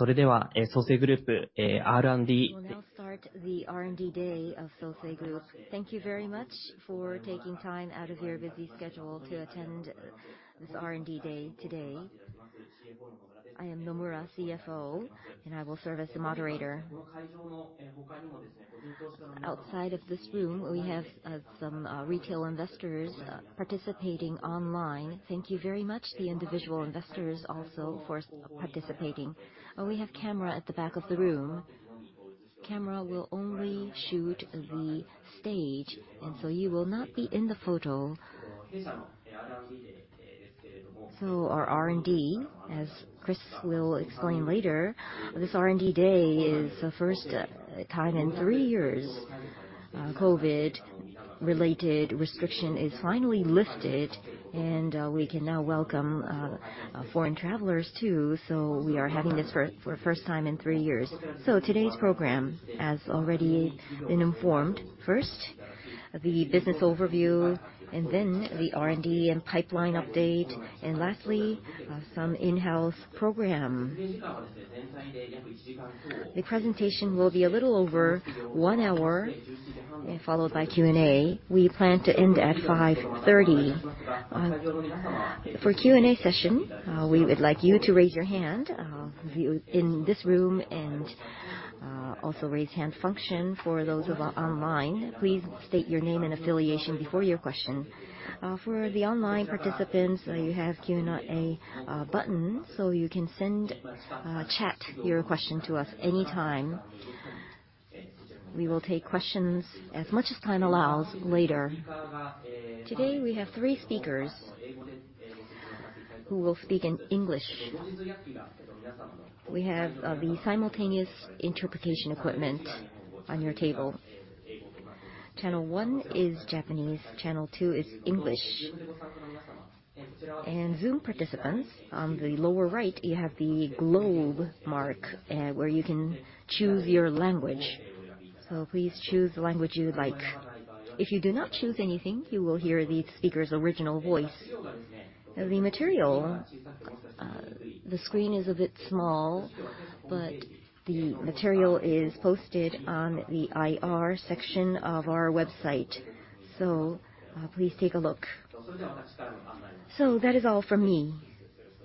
We will now start the R&D Day of Sosei Group. Thank you very much for taking time out of your busy schedule to attend this R&D Day today. I am Nomura, CFO, and I will serve as the moderator. Outside of this room, we have some retail investors participating online. Thank you very much to the individual investors also for participating. We have a camera at the back of the room. The camera will only shoot the stage, and you will not be in the photo. Our R&D, as Chris will explain later, this R&D Day is the first time in three years. COVID-related restriction is finally lifted, and we can now welcome foreign travelers too. We are having this for the first time in three years. Today's program, as already been informed, first, the business overview and then the R&D and pipeline update, and lastly, some in-house program. The presentation will be a little over one hour, followed by Q&A. We plan to end at 5:30. For Q&A session, we would like you to raise your hand, you in this room and also raise hand function for those of our online. Please state your name and affiliation before your question. For the online participants, you have Q&A button, so you can send chat your question to us anytime. We will take questions as much as time allows later. Today, we have three speakers who will speak in English. We have the simultaneous interpretation equipment on your table. Channel one is Japanese, channel two is English. Zoom participants, on the lower right, you have the globe mark, where you can choose your language. Please choose the language you like. If you do not choose anything, you will hear the speaker's original voice. The material, the screen is a bit small, but the material is posted on the IR section of our website. Please take a look. That is all for me.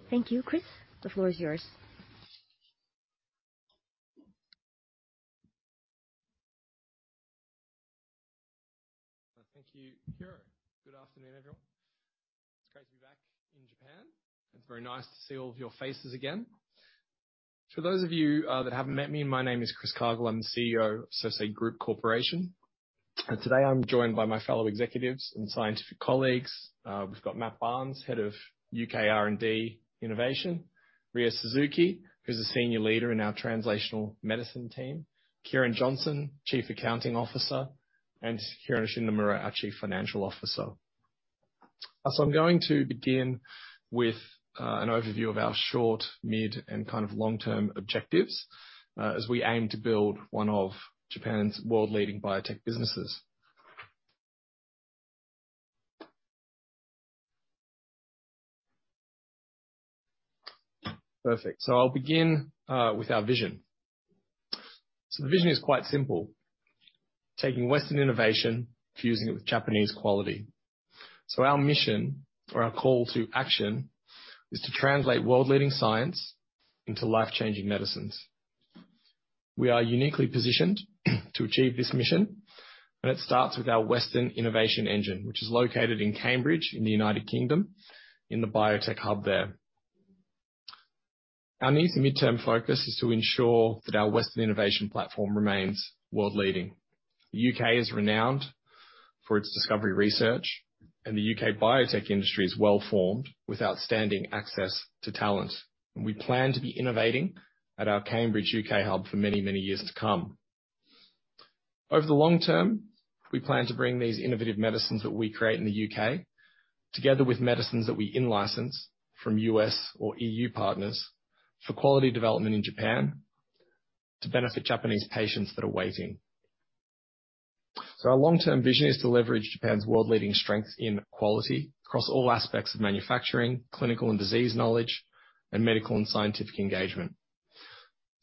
Thank you. Chris, the floor is yours. Thank you, Hiro. Good afternoon, everyone. It's great to be back in Japan. It's very nice to see all of your faces again. For those of you that haven't met me, my name is Chris Cargill. I'm the CEO of Sosei Group Corporation. Today, I'm joined by my fellow executives and scientific colleagues. We've got Matt Barnes, head of UK R&D Innovation. Rie Suzuki, who's a senior leader in our Translational Medicine team. Kieran Johnson, Chief Accounting Officer, and Hironoshin Nomura, our Chief Financial Officer. I'm going to begin with an overview of our short, mid, and kind of long-term objectives as we aim to build one of Japan's world-leading biotech businesses. Perfect. I'll begin with our vision. The vision is quite simple, taking Western innovation, fusing it with Japanese quality. Our mission or our call to action is to translate world-leading science into life-changing medicines. We are uniquely positioned to achieve this mission, and it starts with our Western innovation engine, which is located in Cambridge in the United Kingdom, in the biotech hub there. Our near to midterm focus is to ensure that our Western innovation platform remains world-leading. U.K. is renowned for its discovery research, and the U.K. biotech industry is well-formed with outstanding access to talent. We plan to be innovating at our Cambridge, U.K. hub for many, many years to come. Over the long term, we plan to bring these innovative medicines that we create in the U.K., together with medicines that we in-license from U.S. or EU partners, for quality development in Japan to benefit Japanese patients that are waiting. Our long-term vision is to leverage Japan's world-leading strength in quality across all aspects of manufacturing, clinical and disease knowledge, and medical and scientific engagement.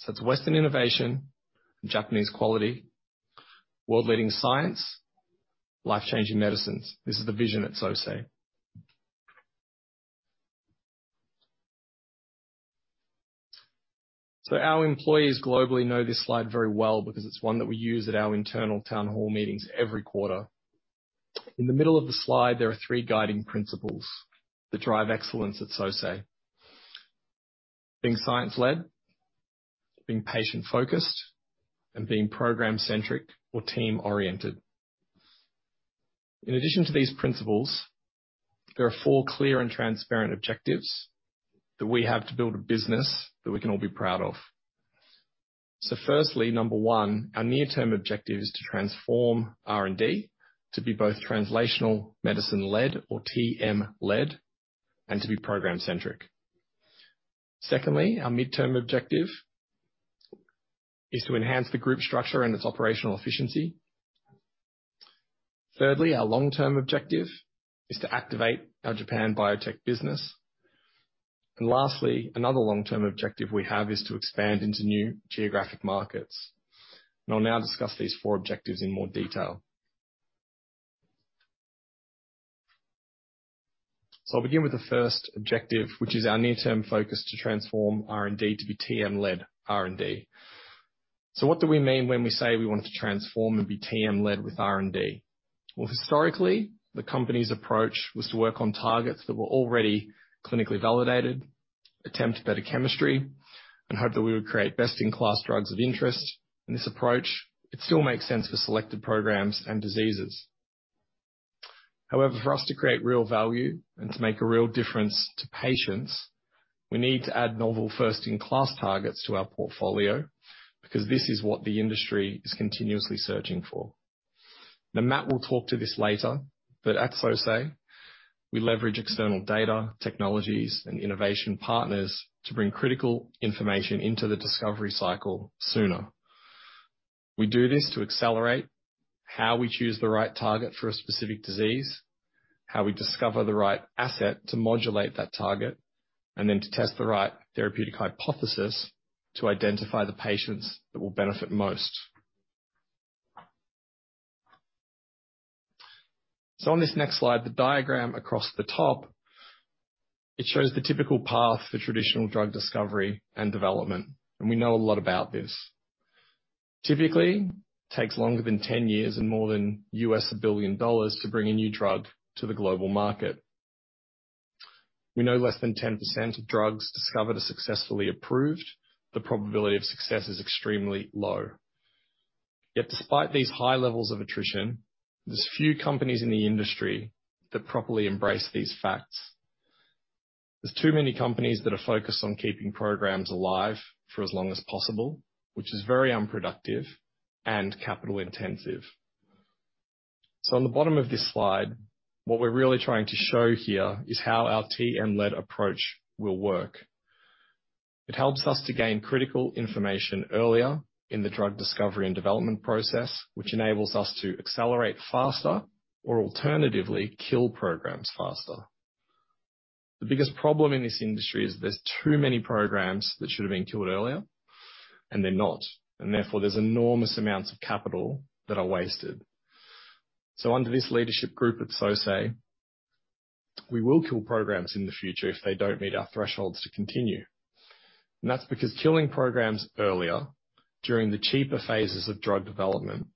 It's Western innovation, Japanese quality, world-leading science, life-changing medicines. This is the vision at Sosei. Our employees globally know this slide very well because it's one that we use at our internal town hall meetings every quarter. In the middle of the slide, there are three guiding principles that drive excellence at Sosei. Being science-led, being patient-focused, and being program-centric or team-oriented. In addition to these principles, there are four clear and transparent objectives that we have to build a business that we can all be proud of. Firstly, number one, our near-term objective is to transform R&D to be both translational, medicine-led, or TM-led, and to be program-centric. Secondly, our midterm objective is to enhance the group structure and its operational efficiency. Thirdly, our long-term objective is to activate our Japan biotech business. Lastly, another long-term objective we have is to expand into new geographic markets. I'll now discuss these four objectives in more detail. I'll begin with the first objective, which is our near-term focus to transform R&D to be TM-led R&D. What do we mean when we say we want it to transform and be TM-led with R&D? Well, historically, the company's approach was to work on targets that were already clinically validated, attempt better chemistry, and hope that we would create best-in-class drugs of interest. In this approach, it still makes sense for selected programs and diseases. However, for us to create real value and to make a real difference to patients, we need to add novel first-in-class targets to our portfolio because this is what the industry is continuously searching for. Now, Matt will talk to this later, but at Sosei, we leverage external data, technologies, and innovation partners to bring critical information into the discovery cycle sooner. We do this to accelerate how we choose the right target for a specific disease, how we discover the right asset to modulate that target, and then to test the right therapeutic hypothesis to identify the patients that will benefit most. On this next slide, the diagram across the top, it shows the typical path for traditional drug discovery and development, and we know a lot about this. Typically, it takes longer than 10 years and more than U.S. billion dollars to bring a new drug to the global market. We know less than 10% of drugs discovered are successfully approved. The probability of success is extremely low. Yet despite these high levels of attrition, there's few companies in the industry that properly embrace these facts. There's too many companies that are focused on keeping programs alive for as long as possible, which is very unproductive and capital-intensive. On the bottom of this slide, what we're really trying to show here is how our TM-led approach will work. It helps us to gain critical information earlier in the drug discovery and development process, which enables us to accelerate faster or alternatively kill programs faster. The biggest problem in this industry is there's too many programs that should have been killed earlier, and they're not. Therefore, there's enormous amounts of capital that are wasted. Under this leadership group at Sosei, we will kill programs in the future if they don't meet our thresholds to continue. That's because killing programs earlier during the cheaper phases of drug development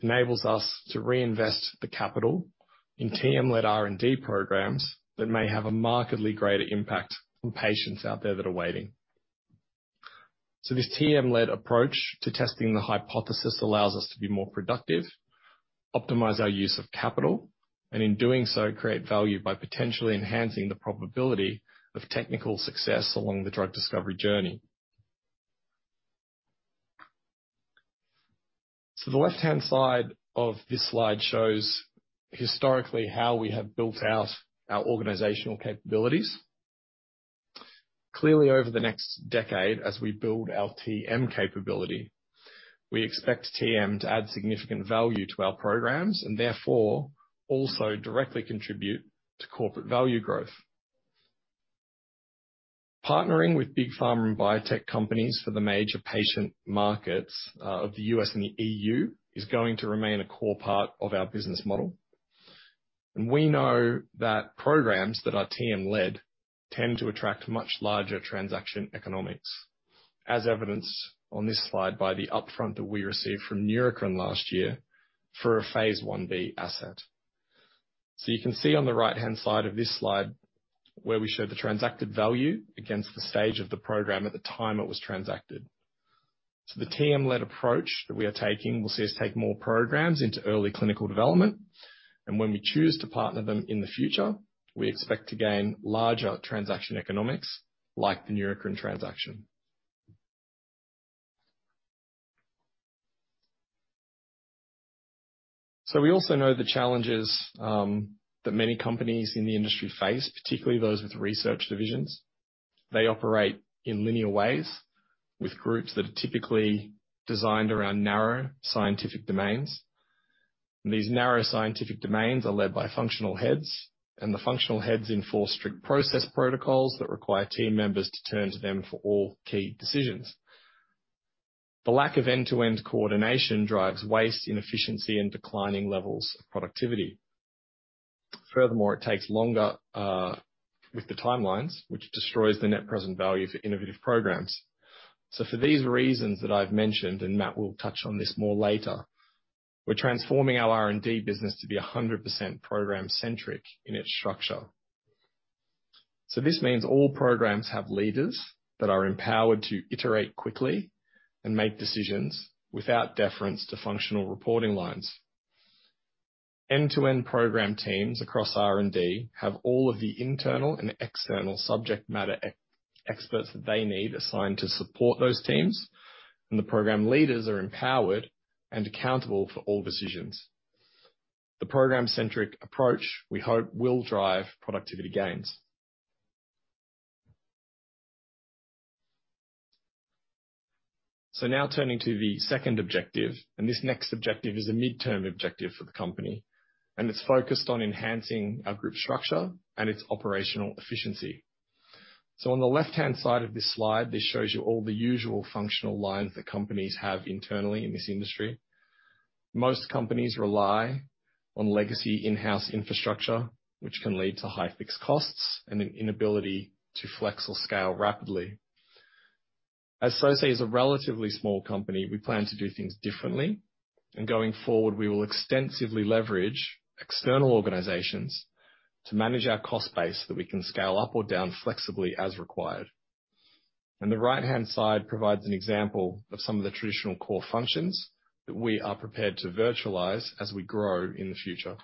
enables us to reinvest the capital in TM-led R&D programs that may have a markedly greater impact on patients out there that are waiting. This TM-led approach to testing the hypothesis allows us to be more productive, optimize our use of capital, and in doing so, create value by potentially enhancing the probability of technical success along the drug discovery journey. The left-hand side of this slide shows historically how we have built out our organizational capabilities. Clearly, over the next decade, as we build our TM capability, we expect TM to add significant value to our programs and therefore also directly contribute to corporate value growth. Partnering with big pharma and biotech companies for the major patient markets of the U.S. and the E.U. is going to remain a core part of our business model. We know that programs that are TM-led tend to attract much larger transaction economics, as evidenced on this slide by the upfront that we received from Neurocrine last year for a phase I-B asset. You can see on the right-hand side of this slide where we show the transacted value against the stage of the program at the time it was transacted. The TM-led approach that we are taking will see us take more programs into early clinical development. When we choose to partner them in the future, we expect to gain larger transaction economics like the Neurocrine transaction. We also know the challenges that many companies in the industry face, particularly those with research divisions. They operate in linear ways with groups that are typically designed around narrow scientific domains. These narrow scientific domains are led by functional heads, and the functional heads enforce strict process protocols that require team members to turn to them for all key decisions. The lack of end-to-end coordination drives waste, inefficiency, and declining levels of productivity. Furthermore, it takes longer with the timelines, which destroys the net present value for innovative programs. For these reasons that I've mentioned, and Matt will touch on this more later, we're transforming our R&D business to be 100% program-centric in its structure. This means all programs have leaders that are empowered to iterate quickly and make decisions without deference to functional reporting lines. End-to-end program teams across R&D have all of the internal and external subject matter e-experts that they need assigned to support those teams, and the program leaders are empowered and accountable for all decisions. The program-centric approach, we hope, will drive productivity gains. Now turning to the second objective, and this next objective is a midterm objective for the company, and it's focused on enhancing our group structure and its operational efficiency. On the left-hand side of this slide, this shows you all the usual functional lines that companies have internally in this industry. Most companies rely on legacy in-house infrastructure, which can lead to high fixed costs and an inability to flex or scale rapidly. As Sosei is a relatively small company, we plan to do things differently. Going forward, we will extensively leverage external organizations to manage our cost base that we can scale up or down flexibly as required. The right-hand side provides an example of some of the traditional core functions that we are prepared to virtualize as we grow in the future.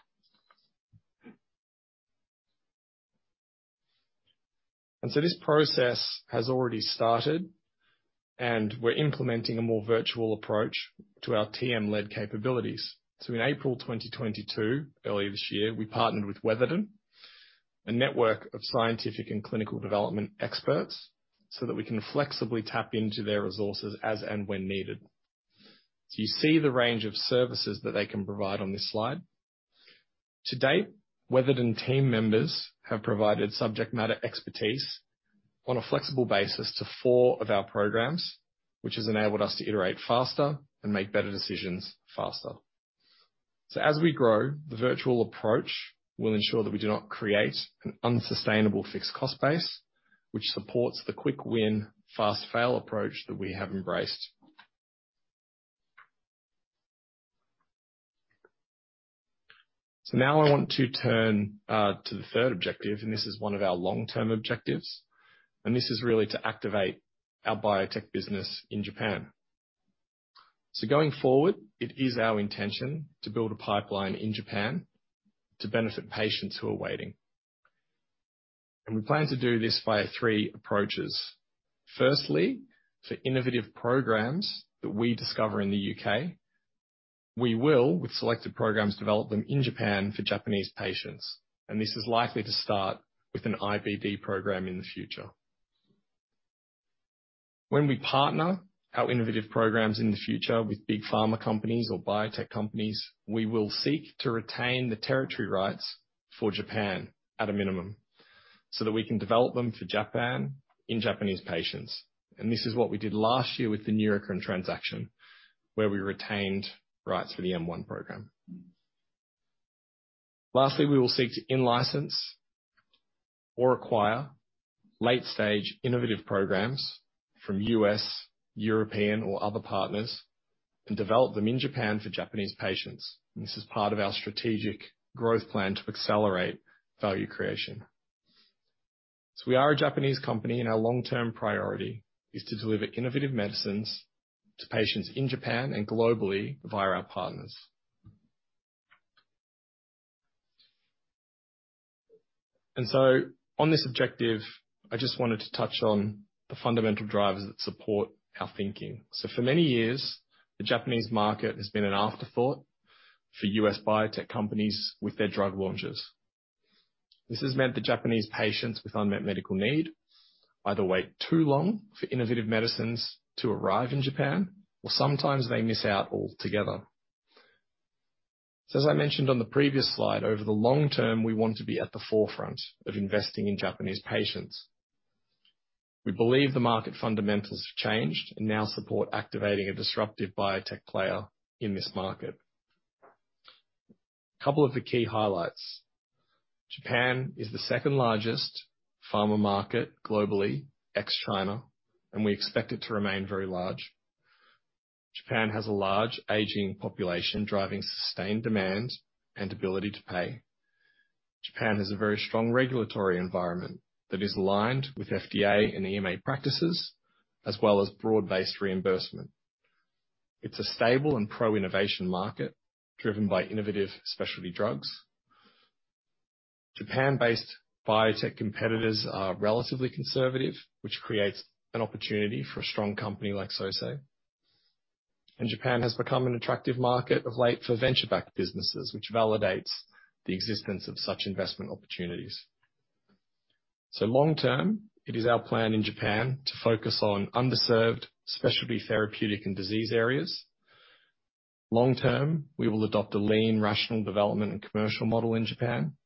This process has already started and we're implementing a more virtual approach to our TM-led capabilities. In April 2022, earlier this year, we partnered with Weatherden, a network of scientific and clinical development experts, so that we can flexibly tap into their resources as and when needed. You see the range of services that they can provide on this slide. To date, Weatherden team members have provided subject matter expertise on a flexible basis to four of our programs, which has enabled us to iterate faster and make better decisions faster. As we grow, the virtual approach will ensure that we do not create an unsustainable fixed cost base, which supports the quick win, fast fail approach that we have embraced. Now I want to turn to the third objective, and this is one of our long-term objectives, and this is really to activate our biotech business in Japan. Going forward, it is our intention to build a pipeline in Japan to benefit patients who are waiting. We plan to do this via three approaches. Firstly, for innovative programs that we discover in the U.K., we will, with selected programs, develop them in Japan for Japanese patients, and this is likely to start with an IBD program in the future. When we partner our innovative programs in the future with big pharma companies or biotech companies, we will seek to retain the territory rights for Japan at a minimum, so that we can develop them for Japan in Japanese patients. This is what we did last year with the Neurocrine transaction, where we retained rights for the M4 program. Lastly, we will seek to in-license or acquire late-stage innovative programs from U.S., European, or other partners and develop them in Japan for Japanese patients. This is part of our strategic growth plan to accelerate value creation. We are a Japanese company, and our long-term priority is to deliver innovative medicines to patients in Japan and globally via our partners. On this objective, I just wanted to touch on the fundamental drivers that support our thinking. For many years, the Japanese market has been an afterthought for U.S. biotech companies with their drug launches. This has meant that Japanese patients with unmet medical need either wait too long for innovative medicines to arrive in Japan, or sometimes they miss out altogether. As I mentioned on the previous slide, over the long term, we want to be at the forefront of investing in Japanese patients. We believe the market fundamentals have changed and now support activating a disruptive biotech player in this market. A couple of the key highlights. Japan is the second-largest pharma market globally, ex-China, and we expect it to remain very large. Japan has a large aging population driving sustained demand and ability to pay. Japan has a very strong regulatory environment that is aligned with FDA and EMA practices as well as broad-based reimbursement. It's a stable and pro-innovation market driven by innovative specialty drugs. Japan-based biotech competitors are relatively conservative, which creates an opportunity for a strong company like Sosei. Japan has become an attractive market of late for venture-backed businesses, which validates the existence of such investment opportunities. Long term, it is our plan in Japan to focus on underserved specialty therapeutic and disease areas. Long term, we will adopt a lean, rational development and commercial model in Japan.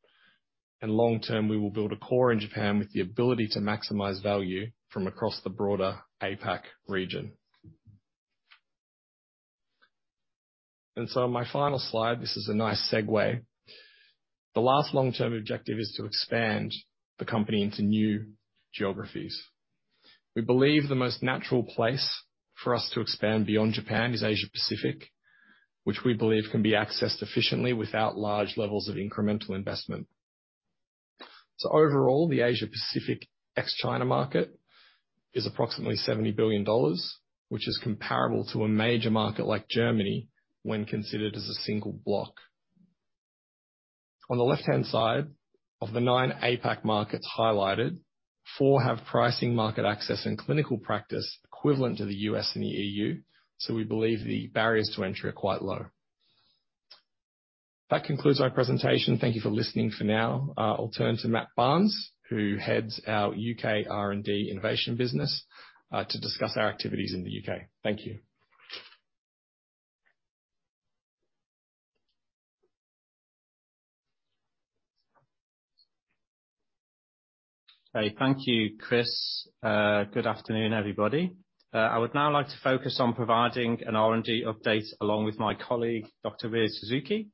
Long term, we will build a core in Japan with the ability to maximize value from across the broader APAC region. On my final slide, this is a nice segue. The last long-term objective is to expand the company into new geographies. We believe the most natural place for us to expand beyond Japan is Asia-Pacific, which we believe can be accessed efficiently without large levels of incremental investment. Overall, the Asia-Pacific ex-China market is approximately $70 billion, which is comparable to a major market like Germany when considered as a single block. On the left-hand side, of the nine APAC markets highlighted, four have pricing, market access, and clinical practice equivalent to the U.S. and the EU. We believe the barriers to entry are quite low. That concludes my presentation. Thank you for listening for now. I'll turn to Matt Barnes, who heads our U.K. R&D innovation business, to discuss our activities in the U.K. Thank you. Thank you, Chris. Good afternoon, everybody. I would now like to focus on providing an R&D update along with my colleague, Dr. Rie Suzuki.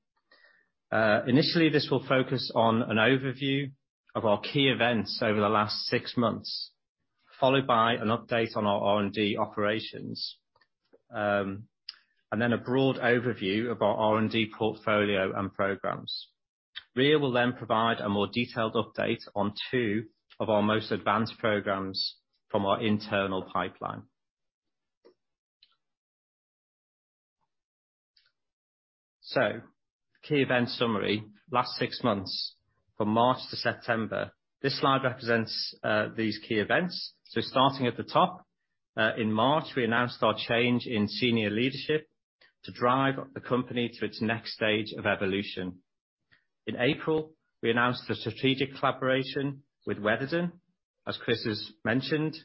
Initially, this will focus on an overview of our key events over the last six months, followed by an update on our R&D operations. Then a broad overview of our R&D portfolio and programs. Rie will then provide a more detailed update on two of our most advanced programs from our internal pipeline. Key events summary, last six months from March-September. This slide represents these key events. Starting at the top, in March, we announced our change in senior leadership to drive the company to its next stage of evolution. In April, we announced a strategic collaboration with Weatherden, as Chris has mentioned,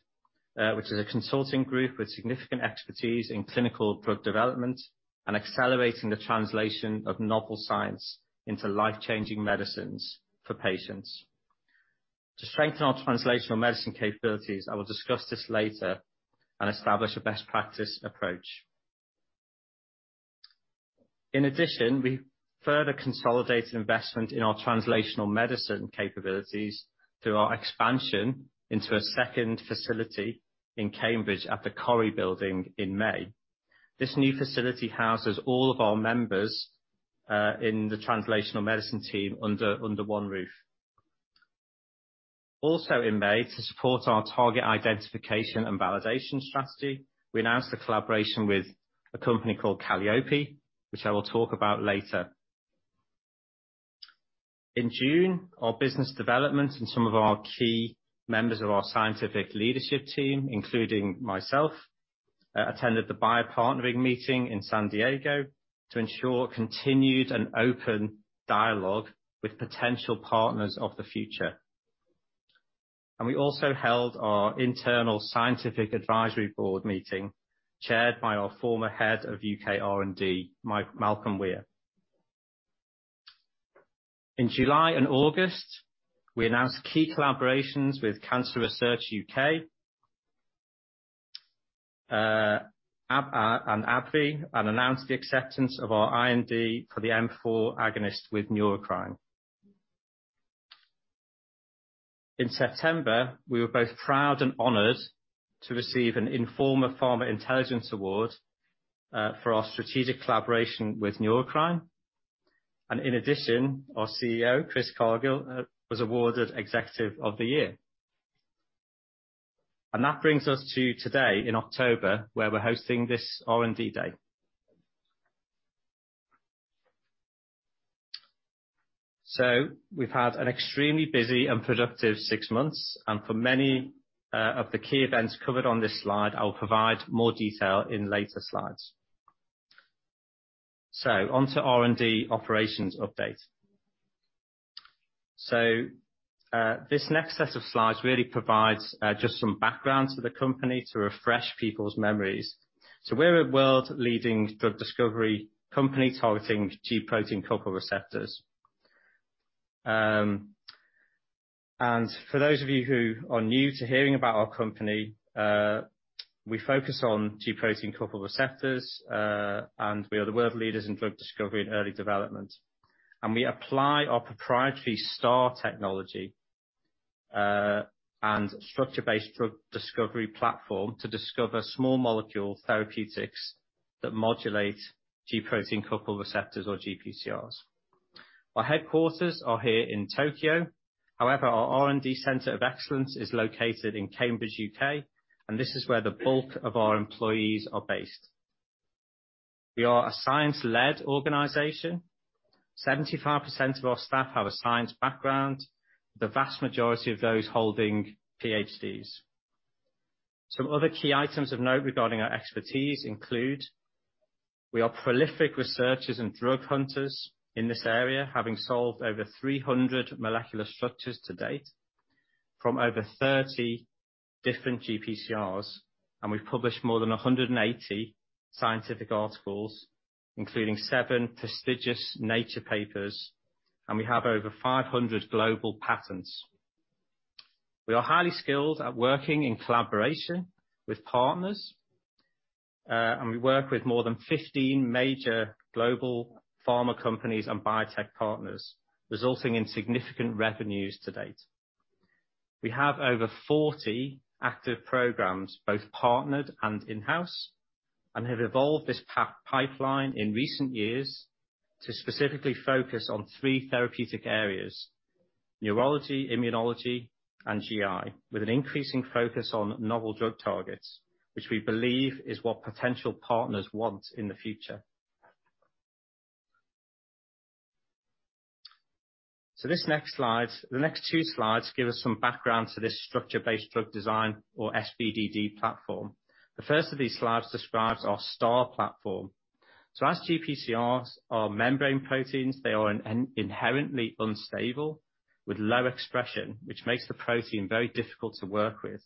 which is a consulting group with significant expertise in clinical drug development and accelerating the translation of novel science into life-changing medicines for patients. To strengthen our translational medicine capabilities, I will discuss this later and establish a best practice approach. In addition, we further consolidated investment in our translational medicine capabilities through our expansion into a second facility in Cambridge at the Cory Building in May. This new facility houses all of our members in the translational medicine team under one roof. Also in May, to support our target identification and validation strategy, we announced a collaboration with a company called Kallyope, which I will talk about later. In June, our business development and some of our key members of our scientific leadership team, including myself, attended the bio-partnering meeting in San Diego to ensure continued and open dialogue with potential partners of the future. We also held our internal scientific advisory board meeting, chaired by our former head of U.K. R&D, Malc-Malcolm Weir. In July and August, we announced key collaborations with Cancer Research U.K. and AbbVie, and announced the acceptance of our IND for the M4 agonist with Neurocrine. In September, we were both proud and honored to receive an Informa Pharma Intelligence Award for our strategic collaboration with Neurocrine. In addition, our CEO, Chris Cargill, was awarded Executive of the Year. That brings us to today in October, where we're hosting this R&D Day. We've had an extremely busy and productive six months, and for many of the key events covered on this slide, I'll provide more detail in later slides. On to R&D operations update. This next set of slides really provides just some background to the company to refresh people's memories. We're a world-leading drug discovery company targeting G protein-coupled receptors. For those of you who are new to hearing about our company, we focus on G protein-coupled receptors, and we are the world leaders in drug discovery and early development. We apply our proprietary STAR technology and structure-based drug discovery platform to discover small molecule therapeutics that modulate G protein-coupled receptors or GPCRs. Our headquarters are here in Tokyo. However, our R&D center of excellence is located in Cambridge, U.K., and this is where the bulk of our employees are based. We are a science-led organization. 75% of our staff have a science background, the vast majority of those holding PhDs. Some other key items of note regarding our expertise include, we are prolific researchers and drug hunters in this area, having solved over 300 molecular structures to date from over 30 different GPCRs. We've published more than 180 scientific articles, including seven prestigious Nature papers, and we have over 500 global patents. We are highly skilled at working in collaboration with partners. We work with more than 15 major global pharma companies and biotech partners, resulting in significant revenues to date. We have over 40 active programs, both partnered and in-house, and have evolved this pipeline in recent years to specifically focus on three therapeutic areas: neurology, immunology, and GI. With an increasing focus on novel drug targets, which we believe is what potential partners want in the future. This next slide, the next two slides give us some background to this structure-based drug design or SBDD platform. The first of these slides describes our STAR platform. As GPCRs are membrane proteins, they are inherently unstable with low expression, which makes the protein very difficult to work with.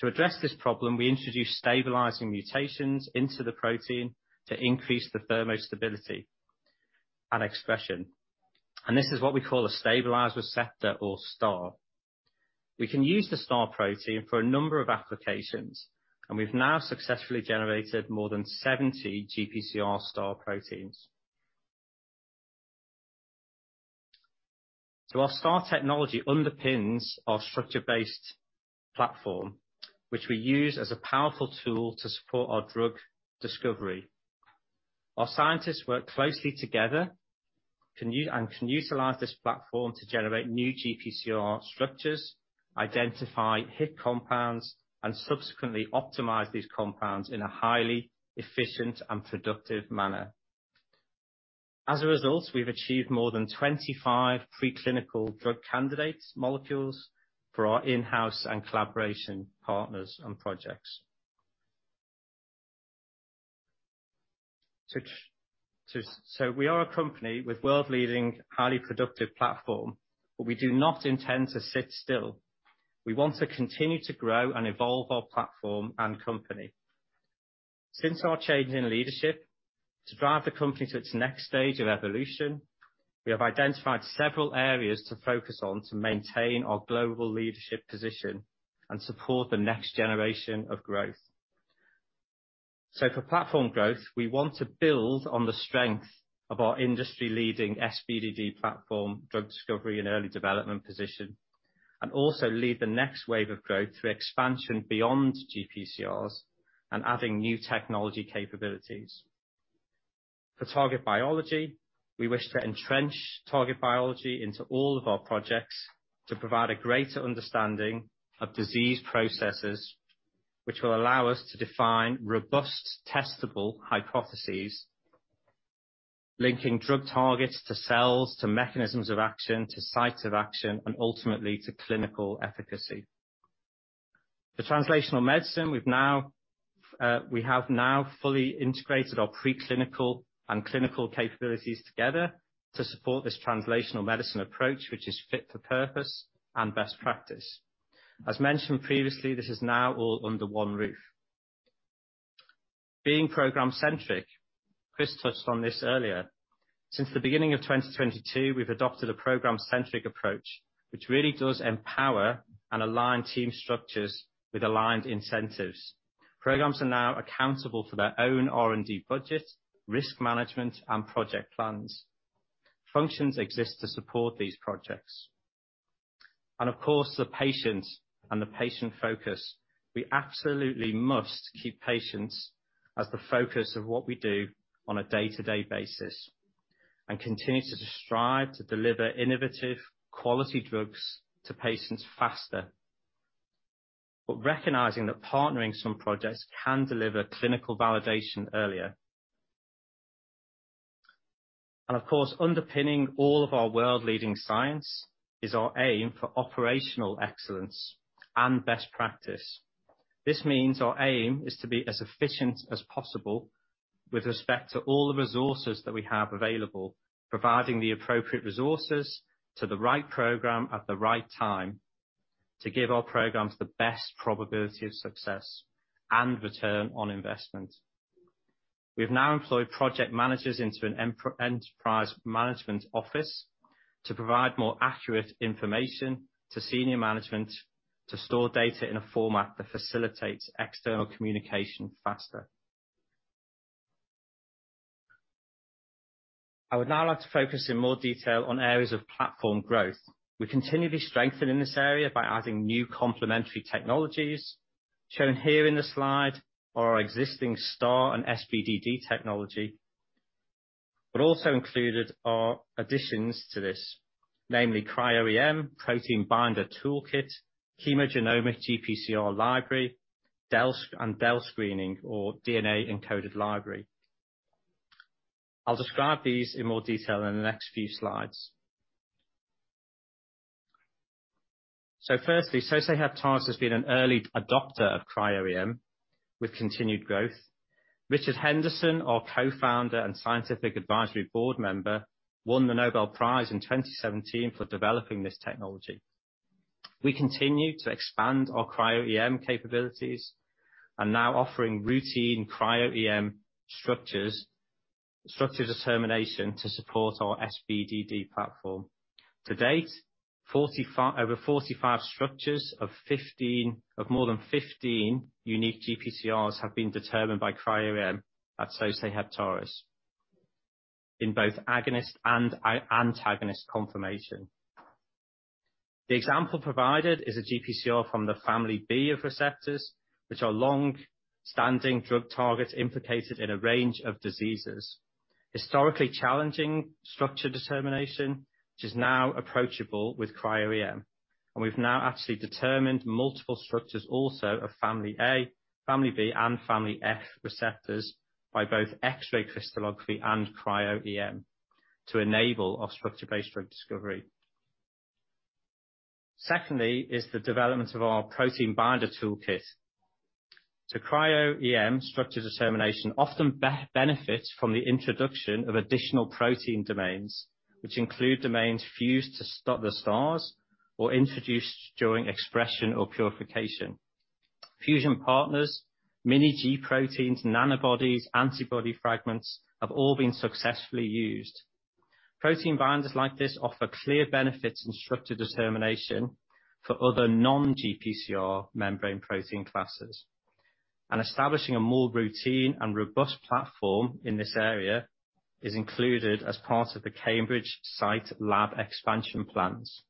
To address this problem, we introduce stabilizing mutations into the protein to increase the thermostability and expression. This is what we call a stabilized receptor or STAR. We can use the STAR protein for a number of applications, and we've now successfully generated more than 70 GPCR STAR proteins. Our STAR technology underpins our structure-based platform, which we use as a powerful tool to support our drug discovery. Our scientists work closely together and can utilize this platform to generate new GPCR structures, identify hit compounds, and subsequently optimize these compounds in a highly efficient and productive manner. As a result, we've achieved more than 25 preclinical drug candidates molecules for our in-house and collaboration partners and projects. We are a company with world-leading, highly productive platform, but we do not intend to sit still. We want to continue to grow and evolve our platform and company. Since our change in leadership, to drive the company to its next stage of evolution, we have identified several areas to focus on to maintain our global leadership position and support the next generation of growth. For platform growth, we want to build on the strength of our industry-leading SBDD platform, drug discovery and early development position, and also lead the next wave of growth through expansion beyond GPCRs and adding new technology capabilities. For target biology, we wish to entrench target biology into all of our projects to provide a greater understanding of disease processes, which will allow us to define robust, testable hypotheses linking drug targets to cells, to mechanisms of action, to site of action, and ultimately to clinical efficacy. For translational medicine, we have now fully integrated our pre-clinical and clinical capabilities together to support this translational medicine approach, which is fit for purpose and best practice. As mentioned previously, this is now all under one roof. Being program-centric, Chris touched on this earlier. Since the beginning of 2022, we've adopted a program-centric approach, which really does empower and align team structures with aligned incentives. Programs are now accountable for their own R&D budget, risk management, and project plans. Functions exist to support these projects. Of course, the patients and the patient focus. We absolutely must keep patients as the focus of what we do on a day-to-day basis and continue to strive to deliver innovative quality drugs to patients faster. Recognizing that partnering some projects can deliver clinical validation earlier. Of course, underpinning all of our world-leading science is our aim for operational excellence and best practice. This means our aim is to be as efficient as possible with respect to all the resources that we have available, providing the appropriate resources to the right program at the right time to give our programs the best probability of success and return on investment. We've now employed project managers into an enterprise management office to provide more accurate information to senior management, to store data in a format that facilitates external communication faster. I would now like to focus in more detail on areas of platform growth. We're continually strengthening this area by adding new complementary technologies shown here in the slide are our existing STAR and SBDD technology. Also included are additions to this, namely cryo-EM, protein binder toolkit, chemogenomic GPCR library, DELS and DEL screening or DNA encoded library. I'll describe these in more detail in the next few slides. Firstly, Sosei Heptares has been an early adopter of cryo-EM with continued growth. Richard Henderson, our co-founder and scientific advisory board member, won the Nobel Prize in 2017 for developing this technology. We continue to expand our cryo-EM capabilities and now offering routine cryo-EM structures, structure determination to support our SBDD platform. To date, over 45 structures of more than 15 unique GPCRs have been determined by cryo-EM at Sosei Heptares in both agonist and antagonist conformation. The example provided is a GPCR from the family B of receptors, which are long-standing drug targets implicated in a range of diseases. Historically challenging structure determination, which is now approachable with cryo-EM. We've now actually determined multiple structures also of family A, family B, and family F receptors by both X-ray crystallography and cryo-EM to enable our structure-based drug discovery. Secondly is the development of our protein binder toolkit. Cryo-EM structure determination often benefits from the introduction of additional protein domains, which include domains fused to the STARs or introduced during expression or purification. Fusion partners, mini-G proteins, nanobodies, antibody fragments, have all been successfully used. Protein binders like this offer clear benefits in structure determination for other non-GPCR membrane protein classes. Establishing a more routine and robust platform in this area is included as part of the Cambridge site lab expansion plans.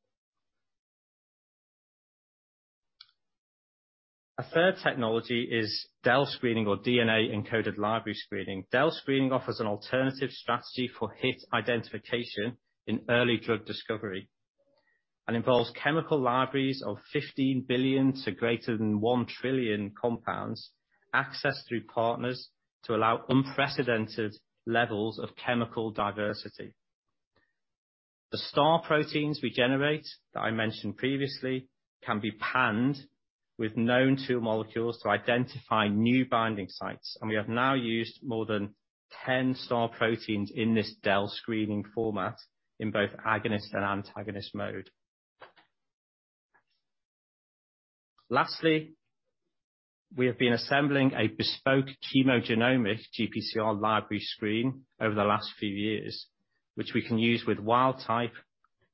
A third technology is DEL screening or DNA encoded library screening. DEL screening offers an alternative strategy for hit identification in early drug discovery, and involves chemical libraries of 15 billion to greater than 1 trillion compounds, access through partners to allow unprecedented levels of chemical diversity. The STAR proteins we generate, that I mentioned previously, can be panned with known two molecules to identify new binding sites, and we have now used more than 10 STAR proteins in this DEL screening format in both agonist and antagonist mode. Lastly, we have been assembling a bespoke chemogenomic GPCR library screen over the last few years, which we can use with wild type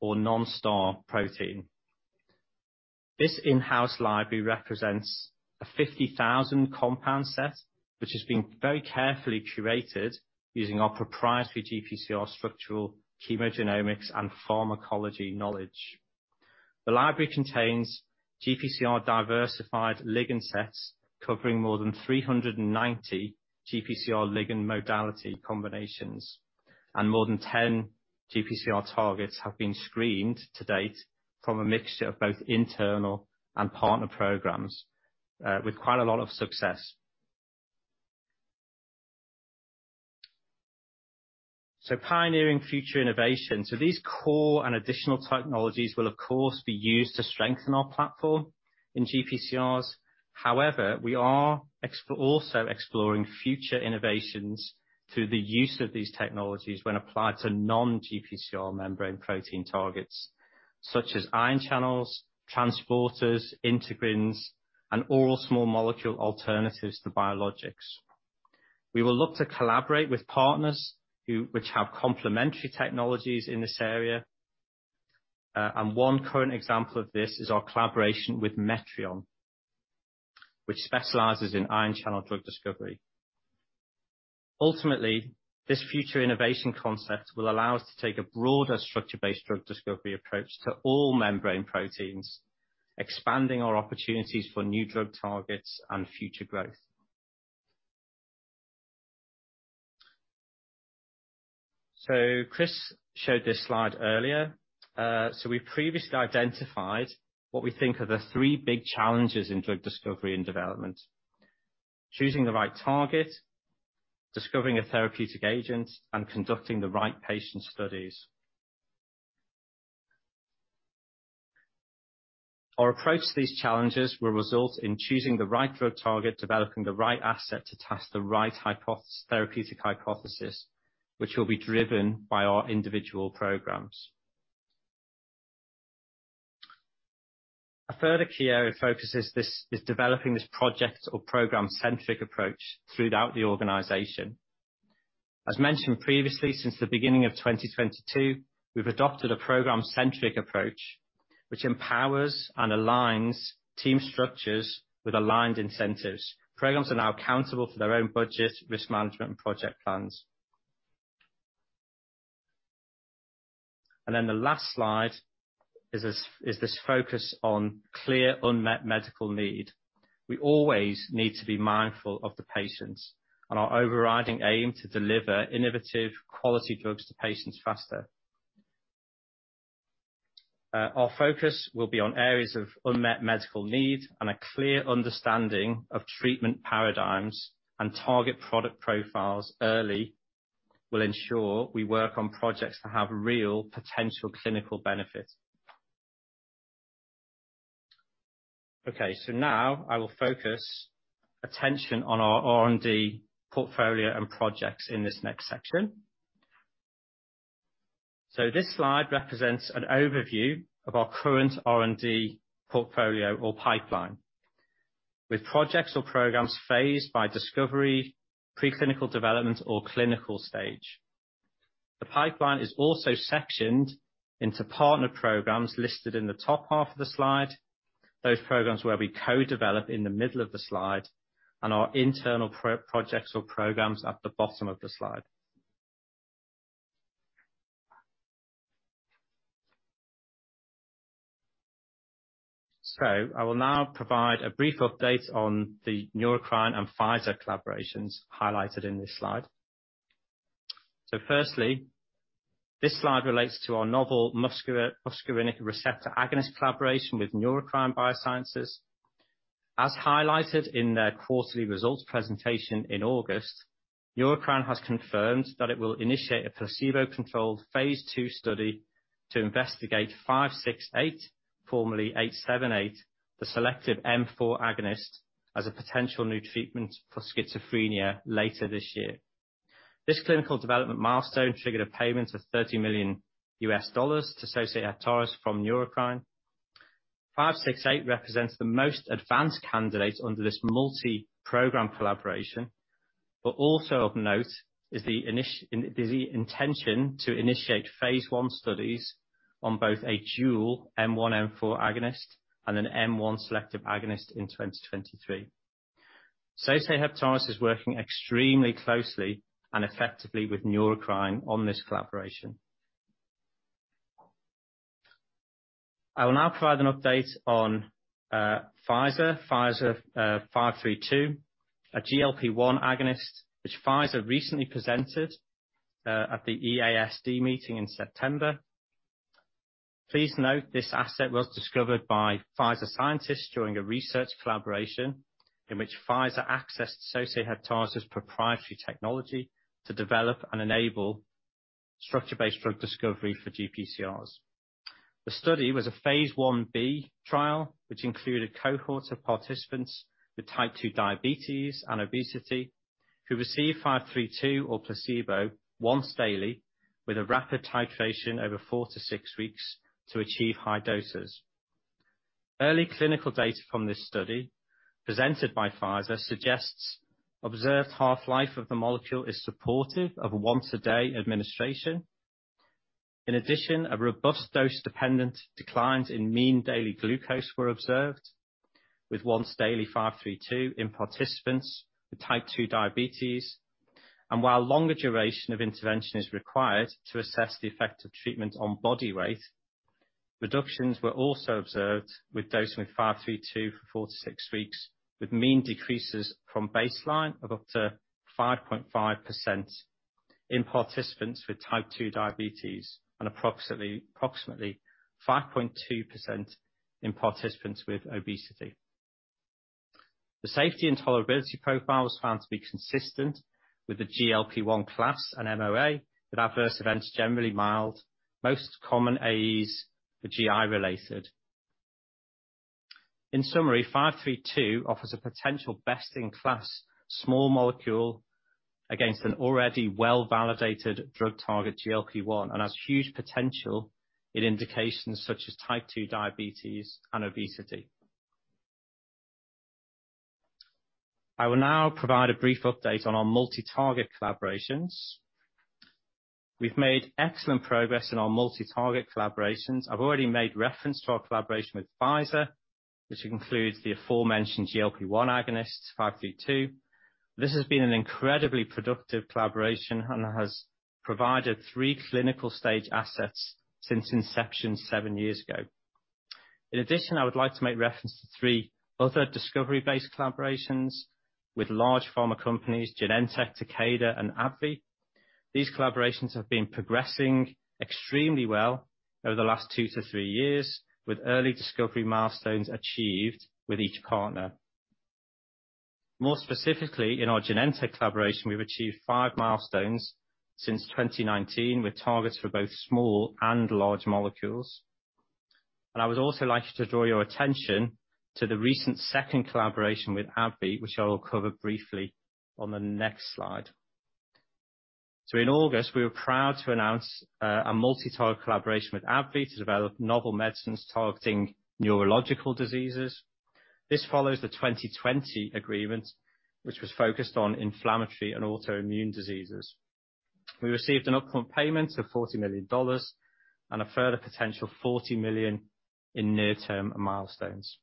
or non-STAR protein. This in-house library represents a 50,000 compound set, which is being very carefully curated using our proprietary GPCR structural chemogenomics and pharmacology knowledge. The library contains GPCR diversified ligand sets covering more than 390 GPCR ligand modality combinations, and more than 10 GPCR targets have been screened to date from a mixture of both internal and partner programs, with quite a lot of success. Pioneering future innovation. These core and additional technologies will of course be used to strengthen our platform in GPCRs. However, we are also exploring future innovations through the use of these technologies when applied to non-GPCR membrane protein targets, such as ion channels, transporters, integrins, and oral small molecule alternatives to biologics. We will look to collaborate with partners which have complementary technologies in this area. One current example of this is our collaboration with Metrion, which specializes in ion channel drug discovery. Ultimately, this future innovation concept will allow us to take a broader structure-based drug discovery approach to all membrane proteins, expanding our opportunities for new drug targets and future growth. Chris showed this slide earlier. So we previously identified what we think are the three big challenges in drug discovery and development: choosing the right target, discovering a therapeutic agent, and conducting the right patient studies. Our approach to these challenges will result in choosing the right drug target, developing the right asset to test the right therapeutic hypothesis, which will be driven by our individual programs. A further key area of focus is developing this project or program-centric approach throughout the organization. As mentioned previously, since the beginning of 2022, we've adopted a program-centric approach, which empowers and aligns team structures with aligned incentives. Programs are now accountable for their own budget, risk management, and project plans. The last slide is this focus on clear unmet medical need. We always need to be mindful of the patients and our overriding aim to deliver innovative quality drugs to patients faster. Our focus will be on areas of unmet medical need and a clear understanding of treatment paradigms, and target product profiles early will ensure we work on projects that have real potential clinical benefit. Now I will focus attention on our R&D portfolio and projects in this next section. This slide represents an overview of our current R&D portfolio or pipeline. With projects or programs phased by discovery, preclinical development, or clinical stage. The pipeline is also sectioned into partner programs listed in the top half of the slide, those programs where we co-develop in the middle of the slide, and our internal proprietary projects or programs at the bottom of the slide. I will now provide a brief update on the Neurocrine and Pfizer collaborations highlighted in this slide. Firstly, this slide relates to our novel muscarinic receptor agonist collaboration with Neurocrine Biosciences. As highlighted in their quarterly results presentation in August, Neurocrine has confirmed that it will initiate a placebo-controlled phase II study to investigate 568, formerly 878, the selective M4 agonist, as a potential new treatment for schizophrenia later this year. This clinical development milestone triggered a payment of $30 million to Sosei Heptares from Neurocrine. 568 represents the most advanced candidate under this multi-program collaboration, but also of note is the intention to initiate phase I studies on both a dual M1, M4 agonist and an M1 selective agonist in 2023. Sosei Heptares is working extremely closely and effectively with Neurocrine on this collaboration. I will now provide an update on Pfizer. Pfizer 532, a GLP-1 agonist which Pfizer recently presented at the EASD meeting in September. Please note this asset was discovered by Pfizer scientists during a research collaboration in which Pfizer accessed Sosei Heptares' proprietary technology to develop and enable structure-based drug discovery for GPCRs. The study was a phase I-B trial which included cohorts of participants with type 2 diabetes and obesity who received 532 or placebo once daily with a rapid titration over four to six weeks to achieve high doses. Early clinical data from this study presented by Pfizer suggests observed half-life of the molecule is supportive of once a day administration. In addition, a robust dose dependent declines in mean daily glucose were observed with once daily 532 in participants with type 2 diabetes. While longer duration of intervention is required to assess the effect of treatment on body weight, reductions were also observed with dosing with 532 for four to six weeks, with mean decreases from baseline of up to 5.5% in participants with type 2 diabetes and approximately 5.2% in participants with obesity. The safety and tolerability profile was found to be consistent with the GLP-1 class and MOA, with adverse events generally mild. Most common AEs were GI related. In summary, 532 offers a potential best-in-class small molecule against an already well-validated drug target, GLP-1, and has huge potential in indications such as type 2 diabetes and obesity. I will now provide a brief update on our multi-target collaborations. We've made excellent progress in our multi-target collaborations. I've already made reference to our collaboration with Pfizer which includes the aforementioned GLP-1 agonist, 532. This has been an incredibly productive collaboration and has provided three clinical stage assets since inception seven years ago. In addition, I would like to make reference to three other discovery-based collaborations with large pharma companies, Genentech, Takeda and AbbVie. These collaborations have been progressing extremely well over the last two to three years with early discovery milestones achieved with each partner. More specifically, in our Genentech collaboration, we've achieved five milestones since 2019 with targets for both small and large molecules. I would also like to draw your attention to the recent second collaboration with AbbVie, which I will cover briefly on the next slide. In August, we were proud to announce a multi-target collaboration with AbbVie to develop novel medicines targeting neurological diseases. This follows the 2020 agreement which was focused on inflammatory and autoimmune diseases. We received an upfront payment of $40 million and a further potential $40 million in near-term milestones.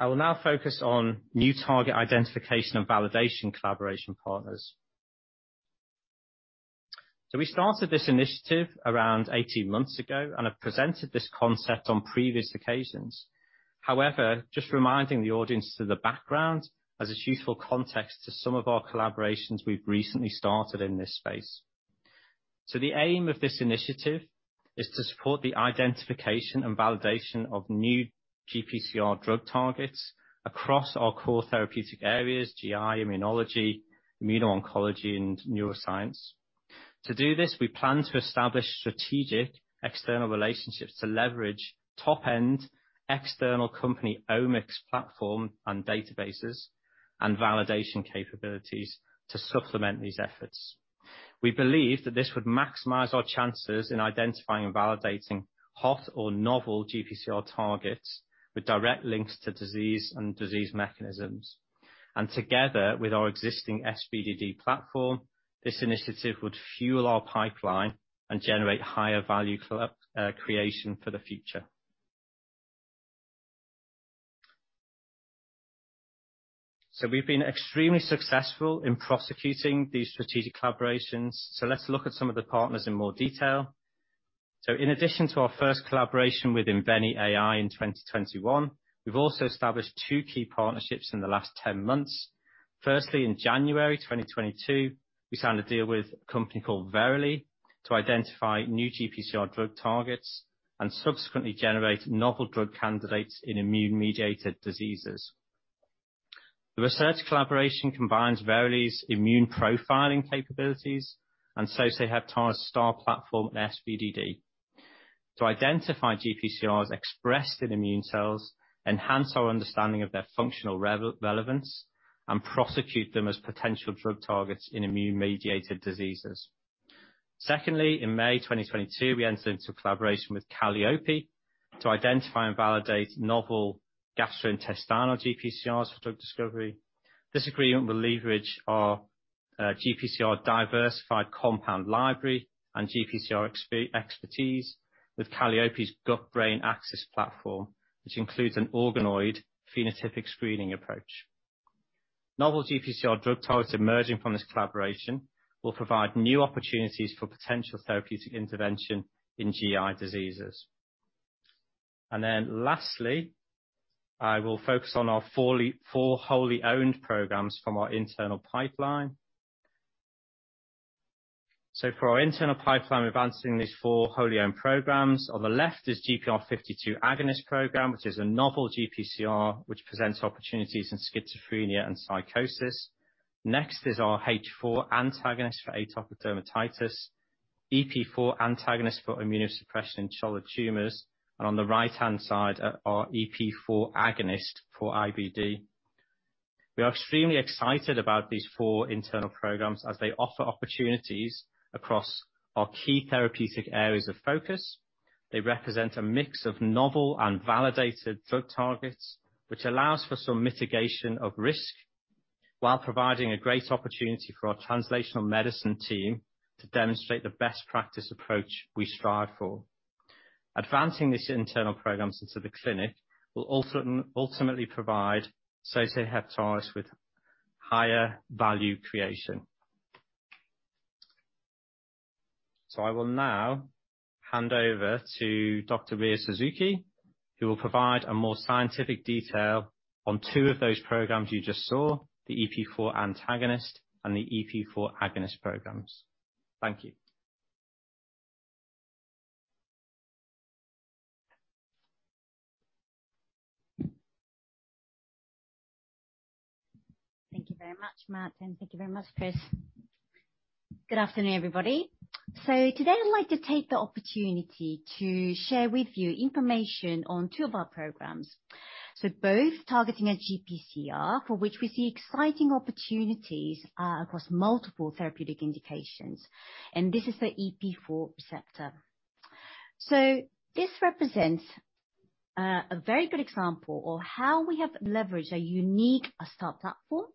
I will now focus on new target identification and validation collaboration partners. We started this initiative around 18 months ago and have presented this concept on previous occasions. However, just reminding the audience to the background as it's useful context to some of our collaborations we've recently started in this space. The aim of this initiative is to support the identification and validation of new GPCR drug targets across our core therapeutic areas, GI, immunology, immuno-oncology and neuroscience. To do this, we plan to establish strategic external relationships to leverage top-end external company omics platform and databases and validation capabilities to supplement these efforts. We believe that this would maximize our chances in identifying and validating hot or novel GPCR targets with direct links to disease and disease mechanisms. Together with our existing SBDD platform, this initiative would fuel our pipeline and generate higher value creation for the future. We've been extremely successful in prosecuting these strategic collaborations. Let's look at some of the partners in more detail. In addition to our first collaboration with InveniAI in 2021, we've also established two key partnerships in the last 10 months. Firstly, in January 2022, we signed a deal with a company called Verily to identify new GPCR drug targets and subsequently generate novel drug candidates in immune-mediated diseases. The research collaboration combines Verily's immune profiling capabilities and Sosei Heptares STAR platform SBDD. To identify GPCRs expressed in immune cells, enhance our understanding of their functional relevance, and prosecute them as potential drug targets in immune-mediated diseases. Secondly, in May 2022, we entered into a collaboration with Kallyope to identify and validate novel gastrointestinal GPCRs for drug discovery. This agreement will leverage our GPCR-diversified compound library and GPCR expertise with Kallyope's gut brain axis platform, which includes an organoid phenotypic screening approach. Novel GPCR drug targets emerging from this collaboration will provide new opportunities for potential therapeutic intervention in GI diseases. Lastly, I will focus on our four wholly-owned programs from our internal pipeline. For our internal pipeline, we're advancing these four wholly-owned programs. On the left is GPR52 agonist program, which is a novel GPCR which presents opportunities in schizophrenia and psychosis. Next is our H4 antagonist for atopic dermatitis. EP4 antagonist for immunosuppression in solid tumors. On the right-hand side are our EP4 agonist for IBD. We are extremely excited about these four internal programs as they offer opportunities across our key therapeutic areas of focus. They represent a mix of novel and validated drug targets, which allows for some mitigation of risk while providing a great opportunity for our translational medicine team to demonstrate the best practice approach we strive for. Advancing these internal programs into the clinic will ultimately provide Sosei Heptares with higher value creation. I will now hand over to Dr. Rie Suzuki, who will provide a more scientific detail on two of those programs you just saw, the EP4 antagonist and the EP4 agonist programs. Thank you. Thank you very much, Matt, and thank you very much, Chris. Good afternoon, everybody. Today, I'd like to take the opportunity to share with you information on two of our programs. Both targeting a GPCR for which we see exciting opportunities across multiple therapeutic indications, and this is the EP4 receptor. This represents a very good example of how we have leveraged a unique STAR platform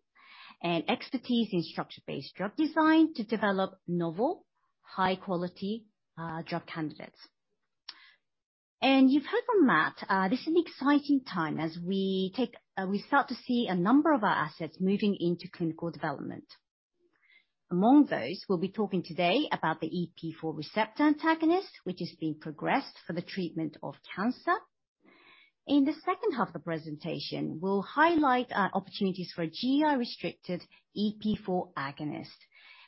and expertise in structure-based drug design to develop novel, high-quality drug candidates. You've heard from Matt, this is an exciting time as we start to see a number of our assets moving into clinical development. Among those, we'll be talking today about the EP4 receptor antagonist, which is being progressed for the treatment of cancer. In the second half of the presentation, we'll highlight our opportunities for a GI-restricted EP4 agonist,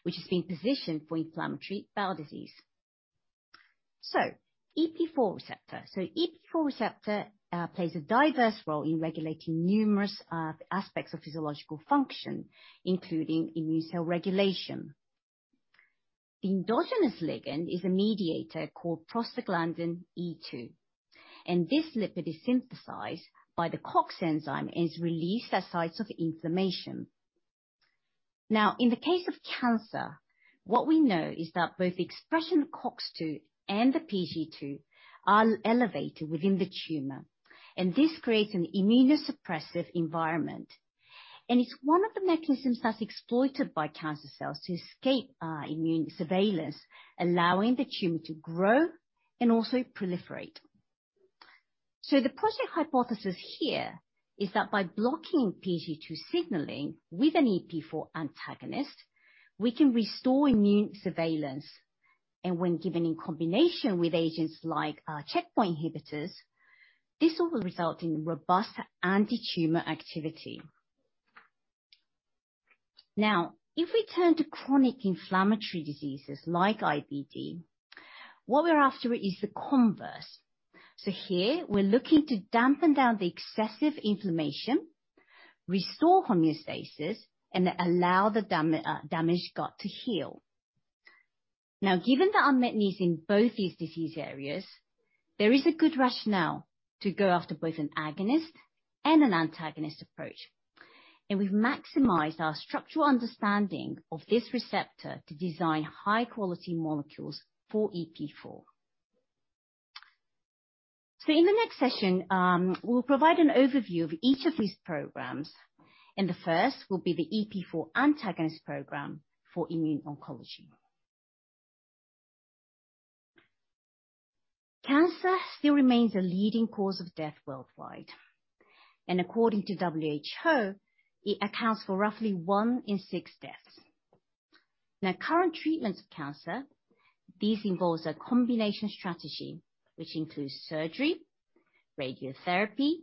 which is being positioned for inflammatory bowel disease. EP4 receptor plays a diverse role in regulating numerous aspects of physiological function, including immune cell regulation. The endogenous ligand is a mediator called prostaglandin E2, and this lipid is synthesized by the COX enzyme and is released at sites of inflammation. Now, in the case of cancer, what we know is that both the expression COX-2 and the PGE2 are elevated within the tumor, and this creates an immunosuppressive environment. It's one of the mechanisms that's exploited by cancer cells to escape our immune surveillance, allowing the tumor to grow and also proliferate. The project hypothesis here is that by blocking PGE2 signaling with an EP4 antagonist, we can restore immune surveillance. When given in combination with agents like our checkpoint inhibitors, this will result in robust antitumor activity. Now, if we turn to chronic inflammatory diseases like IBD, what we're after is the converse. Here we're looking to dampen down the excessive inflammation, restore homeostasis, and allow the damaged gut to heal. Now, given the unmet needs in both these disease areas, there is a good rationale to go after both an agonist and an antagonist approach. We've maximized our structural understanding of this receptor to design high-quality molecules for EP4. In the next session, we'll provide an overview of each of these programs, and the first will be the EP4 antagonist program for immuno-oncology. Cancer still remains the leading cause of death worldwide, and according to WHO, it accounts for roughly one in six deaths. Now, current treatments of cancer, this involves a combination strategy which includes surgery, radiotherapy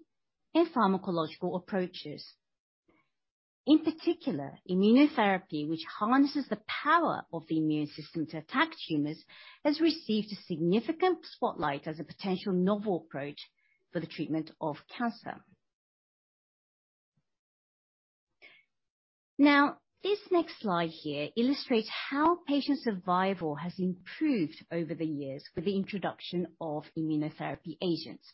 and pharmacological approaches. In particular, immunotherapy, which harnesses the power of the immune system to attack tumors, has received a significant spotlight as a potential novel approach for the treatment of cancer. Now, this next slide here illustrates how patient survival has improved over the years with the introduction of immunotherapy agents.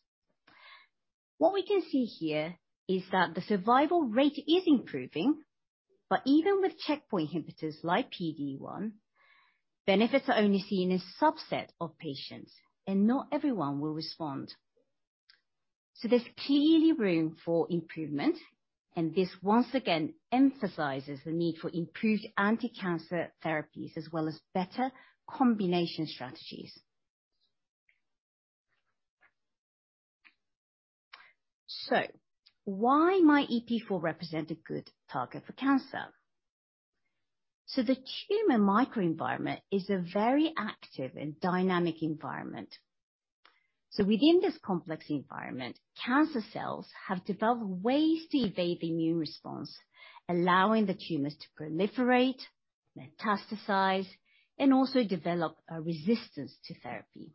What we can see here is that the survival rate is improving, but even with checkpoint inhibitors like PD-1, benefits are only seen in subset of patients, and not everyone will respond. There's clearly room for improvement, and this once again emphasizes the need for improved anti-cancer therapies as well as better combination strategies. Why might EP4 represent a good target for cancer? The tumor microenvironment is a very active and dynamic environment. Within this complex environment, cancer cells have developed ways to evade immune response, allowing the tumors to proliferate, metastasize, and also develop a resistance to therapy.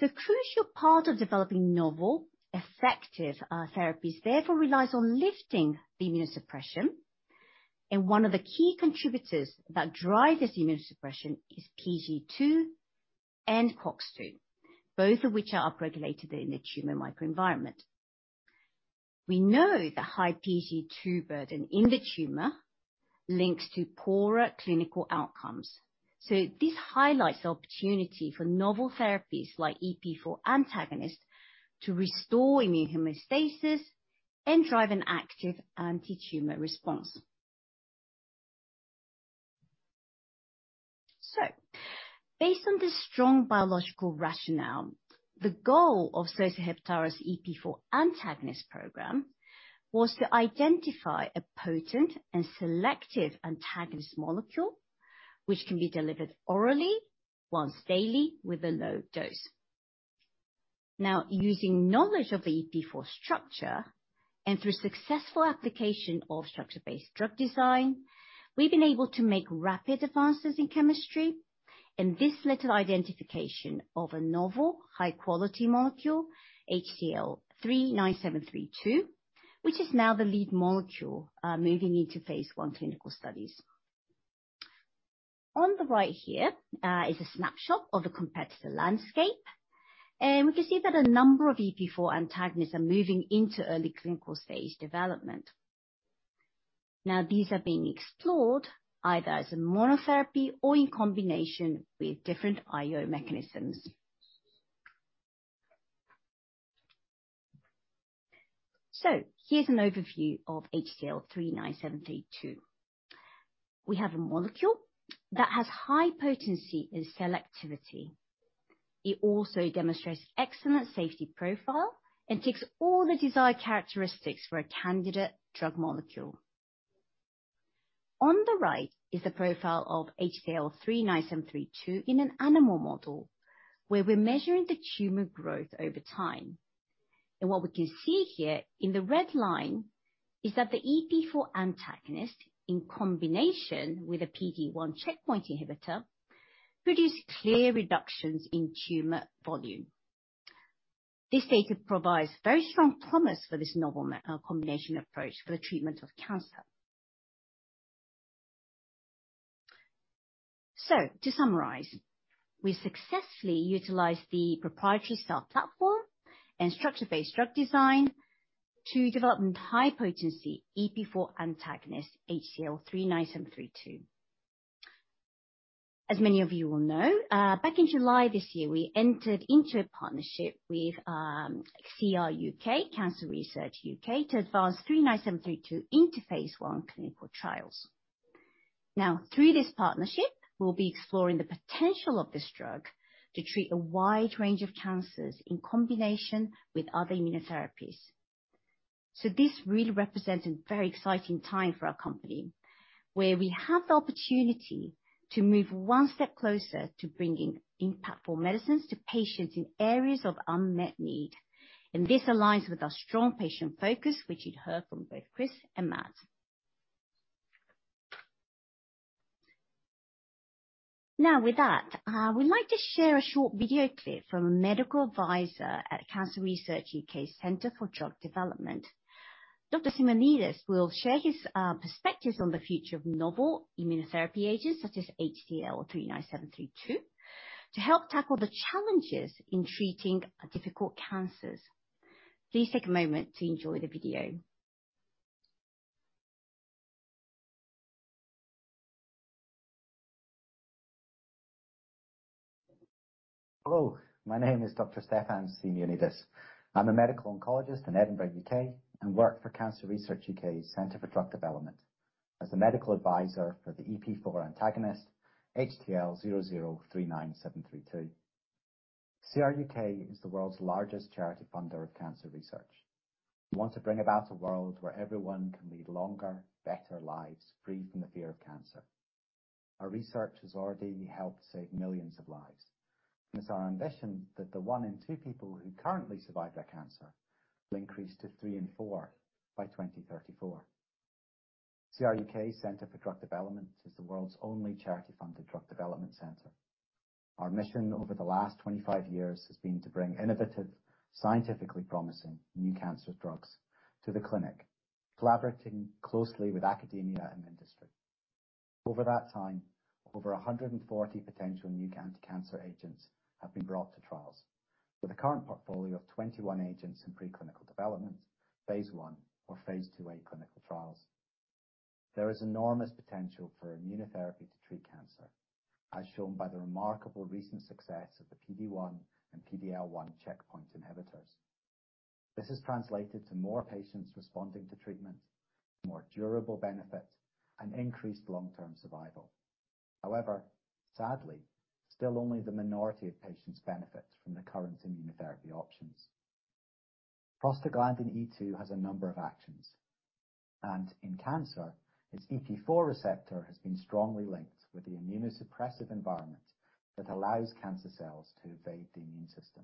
Crucial part of developing novel effective therapies, therefore relies on lifting the immunosuppression. One of the key contributors that drive this immunosuppression is PGE2 and COX-2, both of which are upregulated in the tumor microenvironment. We know that high PGE2 burden in the tumor links to poorer clinical outcomes. This highlights the opportunity for novel therapies like EP4 antagonists to restore immune homeostasis and drive an active anti-tumor response. Based on this strong biological rationale, the goal of Sosei Heptares' EP4 antagonist program was to identify a potent and selective antagonist molecule, which can be delivered orally once daily with a low dose. Now, using knowledge of the EP4 structure and through successful application of structure-based drug design, we've been able to make rapid advances in chemistry and this led to identification of a novel high-quality molecule, HTL0039732, which is now the lead molecule, moving into phase I clinical studies. On the right here, is a snapshot of the competitor landscape, and we can see that a number of EP4 antagonists are moving into early clinical phase development. Now, these are being explored either as a monotherapy or in combination with different IO mechanisms. Here's an overview of HTL0039732. We have a molecule that has high potency and selectivity. It also demonstrates excellent safety profile and ticks all the desired characteristics for a candidate drug molecule. On the right is the profile of HTL0039732 in an animal model where we're measuring the tumor growth over time. What we can see here in the red line is that the EP4 antagonist in combination with a PD-1 checkpoint inhibitor produce clear reductions in tumor volume. This data provides very strong promise for this novel combination approach for the treatment of cancer. To summarize, we successfully utilized the proprietary cell platform and structure-based drug design to develop high-potency EP4 antagonist HTL0039732. As many of you will know, back in July this year, we entered into a partnership with CRUK, Cancer Research U.K., to advance 39732 into phase I clinical trials. Now, through this partnership, we'll be exploring the potential of this drug to treat a wide range of cancers in combination with other immunotherapies. This really represents a very exciting time for our company, where we have the opportunity to move one step closer to bringing impactful medicines to patients in areas of unmet need. This aligns with our strong patient focus, which you'd heard from both Chris and Matt. Now with that, we'd like to share a short video clip from a medical advisor at Cancer Research U.K. Centre for Drug Development. Dr. Stefan Symeonides will share his perspectives on the future of novel immunotherapy agents, such as HTL-0039732, to help tackle the challenges in treating difficult cancers. Please take a moment to enjoy the video. Hello, my name is Dr. Stefan Symeonides. I'm a medical oncologist in Edinburgh, U.K., and work for Cancer Research U.K. Center for Drug Development. As the medical advisor for the EP4 antagonist, HTL0039732. CRUK is the world's largest charity funder of cancer research. We want to bring about a world where everyone can lead longer, better lives free from the fear of cancer. Our research has already helped save millions of lives, and it's our ambition that the one in two people who currently survive their cancer will increase to three in four by 2034. CRUK Centre for Drug Development is the world's only charity-funded drug development center. Our mission over the last 25 years has been to bring innovative, scientifically promising new cancer drugs to the clinic, collaborating closely with academia and industry. Over that time, over 140 potential new anti-cancer agents have been brought to trials with a current portfolio of 21 agents in preclinical development, phase I or phase II-A clinical trials. There is enormous potential for immunotherapy to treat cancer, as shown by the remarkable recent success of the PD-1 and PD-L1 checkpoint inhibitors. This has translated to more patients responding to treatment, more durable benefit, and increased long-term survival. However, sadly, still only the minority of patients benefit from the current immunotherapy options. Prostaglandin E2 has a number of actions, and in cancer, its EP4 receptor has been strongly linked with the immunosuppressive environment that allows cancer cells to evade the immune system.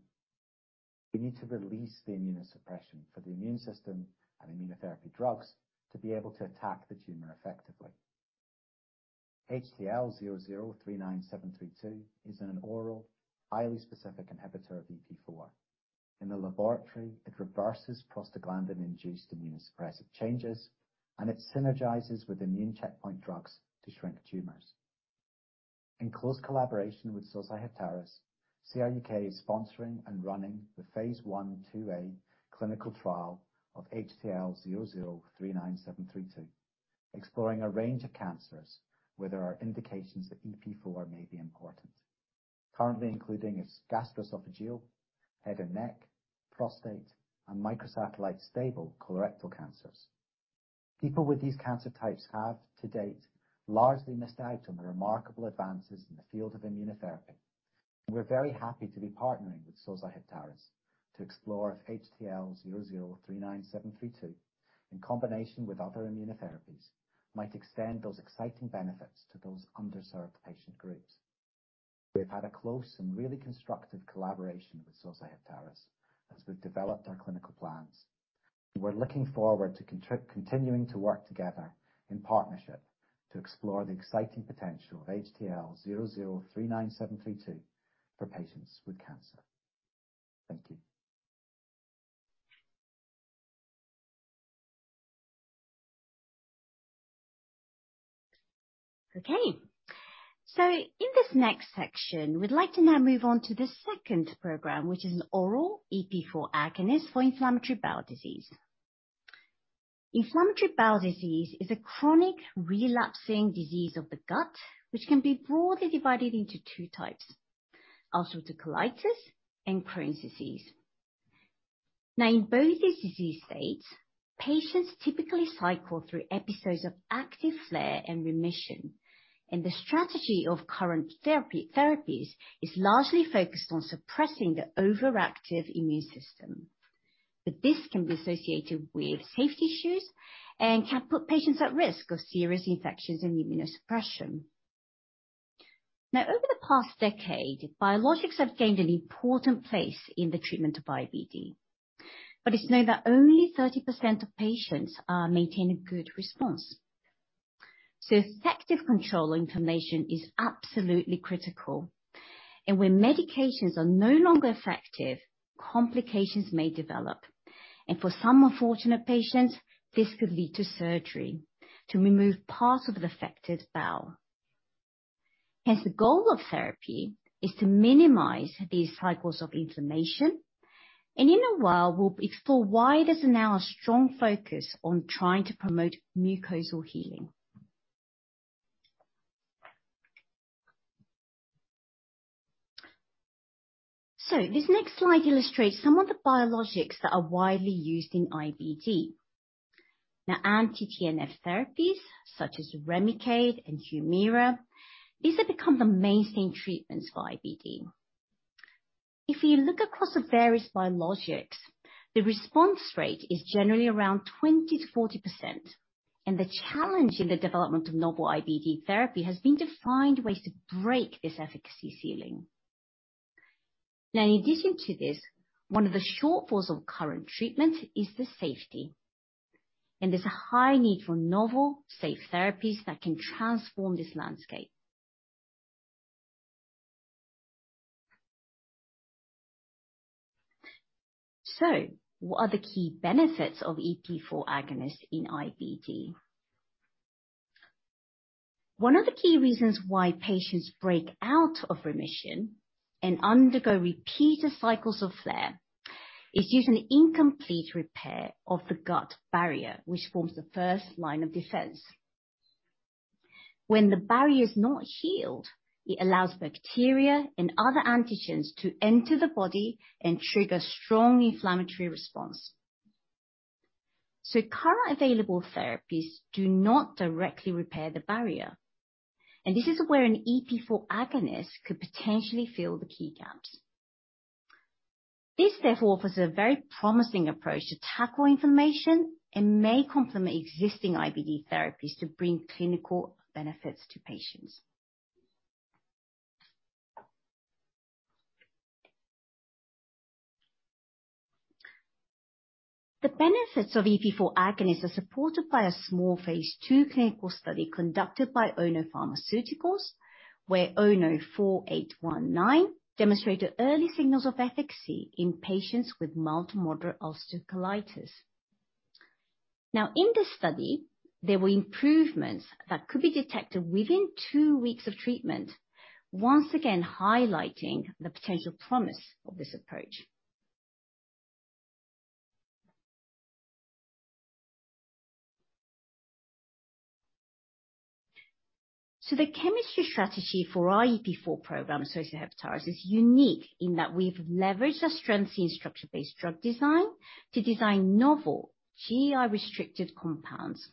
We need to release the immunosuppression for the immune system and immunotherapy drugs to be able to attack the tumor effectively. HTL0039732 is an oral, highly specific inhibitor of EP4. In the laboratory, it reverses prostaglandin-induced immunosuppressive changes, and it synergizes with immune checkpoint drugs to shrink tumors. In close collaboration with Sosei Heptares, CRUK is sponsoring and running the phase I/II-A clinical trial of HTL0039732, exploring a range of cancers where there are indications that EP4 may be important. Currently including gastroesophageal, head and neck, prostate, and microsatellite stable colorectal cancers. People with these cancer types have to date largely missed out on the remarkable advances in the field of immunotherapy. We're very happy to be partnering with Sosei Heptares to explore if HTL0039732 in combination with other immunotherapies might extend those exciting benefits to those underserved patient groups. We've had a close and really constructive collaboration with Sosei Heptares as we've developed our clinical plans. We're looking forward to continuing to work together in partnership to explore the exciting potential of HTL0039732 for patients with cancer. Thank you. Okay. In this next section, we'd like to now move on to the second program, which is an oral EP4 agonist for inflammatory bowel disease. Inflammatory bowel disease is a chronic relapsing disease of the gut, which can be broadly divided into two types: ulcerative colitis and Crohn's disease. Now, in both these disease states, patients typically cycle through episodes of active flare and remission, and the strategy of current therapies is largely focused on suppressing the overactive immune system. This can be associated with safety issues and can put patients at risk of serious infections and immunosuppression. Now, over the past decade, biologics have gained an important place in the treatment of IBD, but it's known that only 30% of patients maintain a good response. Effective control inflammation is absolutely critical, and when medications are no longer effective, complications may develop. For some unfortunate patients, this could lead to surgery to remove part of the affected bowel. Hence, the goal of therapy is to minimize these cycles of inflammation, and in a while, we'll explore why there's now a strong focus on trying to promote mucosal healing. This next slide illustrates some of the biologics that are widely used in IBD. Now, anti-TNF therapies such as Remicade and Humira, these have become the mainstay treatments for IBD. If you look across the various biologics, the response rate is generally around 20%-40%, and the challenge in the development of novel IBD therapy has been to find ways to break this efficacy ceiling. Now, in addition to this, one of the shortfalls of current treatment is the safety, and there's a high need for novel safe therapies that can transform this landscape. What are the key benefits of EP4 agonists in IBD? One of the key reasons why patients break out of remission and undergo repeated cycles of flare is due to the incomplete repair of the gut barrier, which forms the first line of defense. When the barrier is not healed, it allows bacteria and other antigens to enter the body and trigger strong inflammatory response. Current available therapies do not directly repair the barrier, and this is where an EP4 agonist could potentially fill the key gaps. This, therefore, offers a very promising approach to tackle inflammation and may complement existing IBD therapies to bring clinical benefits to patients. The benefits of EP4 agonist are supported by a small phase II clinical study conducted by Ono Pharmaceuticals, where Ono 4819 demonstrated early signals of efficacy in patients with mild to moderate ulcerative colitis. Now, in this study, there were improvements that could be detected within two weeks of treatment, once again highlighting the potential promise of this approach. The chemistry strategy for our EP4 program at Sosei Heptares is unique in that we've leveraged our strengths in structure-based drug design to design novel GI restricted compounds.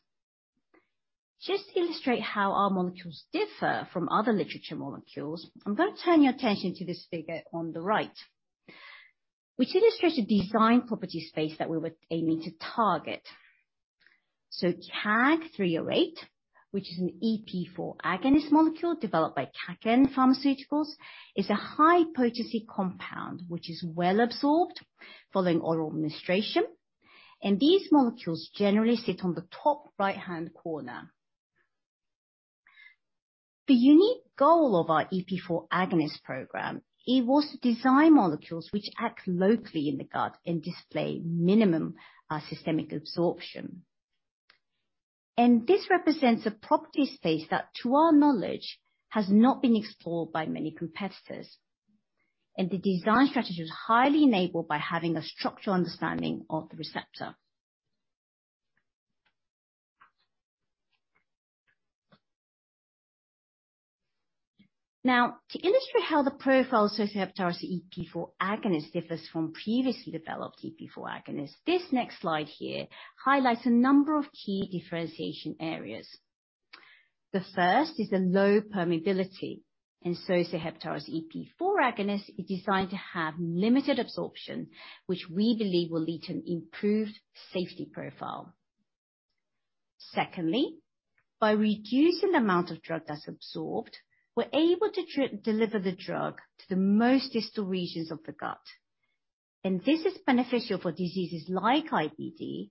Just to illustrate how our molecules differ from other literature molecules, I'm gonna turn your attention to this figure on the right, which illustrates a design property space that we were aiming to target. CAG-308, which is an EP4 agonist molecule developed by Kaken Pharmaceutical, is a high potency compound which is well absorbed following oral administration. These molecules generally sit on the top right-hand corner. The unique goal of our EP4 agonist program, it was to design molecules which act locally in the gut and display minimum systemic absorption. This represents a property space that, to our knowledge, has not been explored by many competitors. The design strategy was highly enabled by having a structural understanding of the receptor. Now, to illustrate how the profile Sosei Heptares EP4 agonist differs from previously developed EP4 agonist, this next slide here highlights a number of key differentiation areas. The first is the low permeability. Sosei Heptares EP4 agonist is designed to have limited absorption, which we believe will lead to an improved safety profile. Secondly, by reducing the amount of drug that's absorbed, we're able to deliver the drug to the most distal regions of the gut. This is beneficial for diseases like IBD,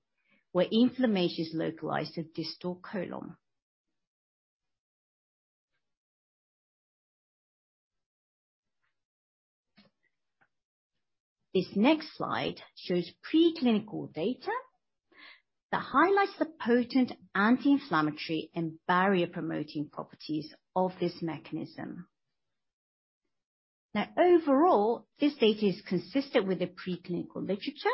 where inflammation is localized to distal colon. This next slide shows preclinical data that highlights the potent anti-inflammatory and barrier-promoting properties of this mechanism. Now overall, this data is consistent with the preclinical literature,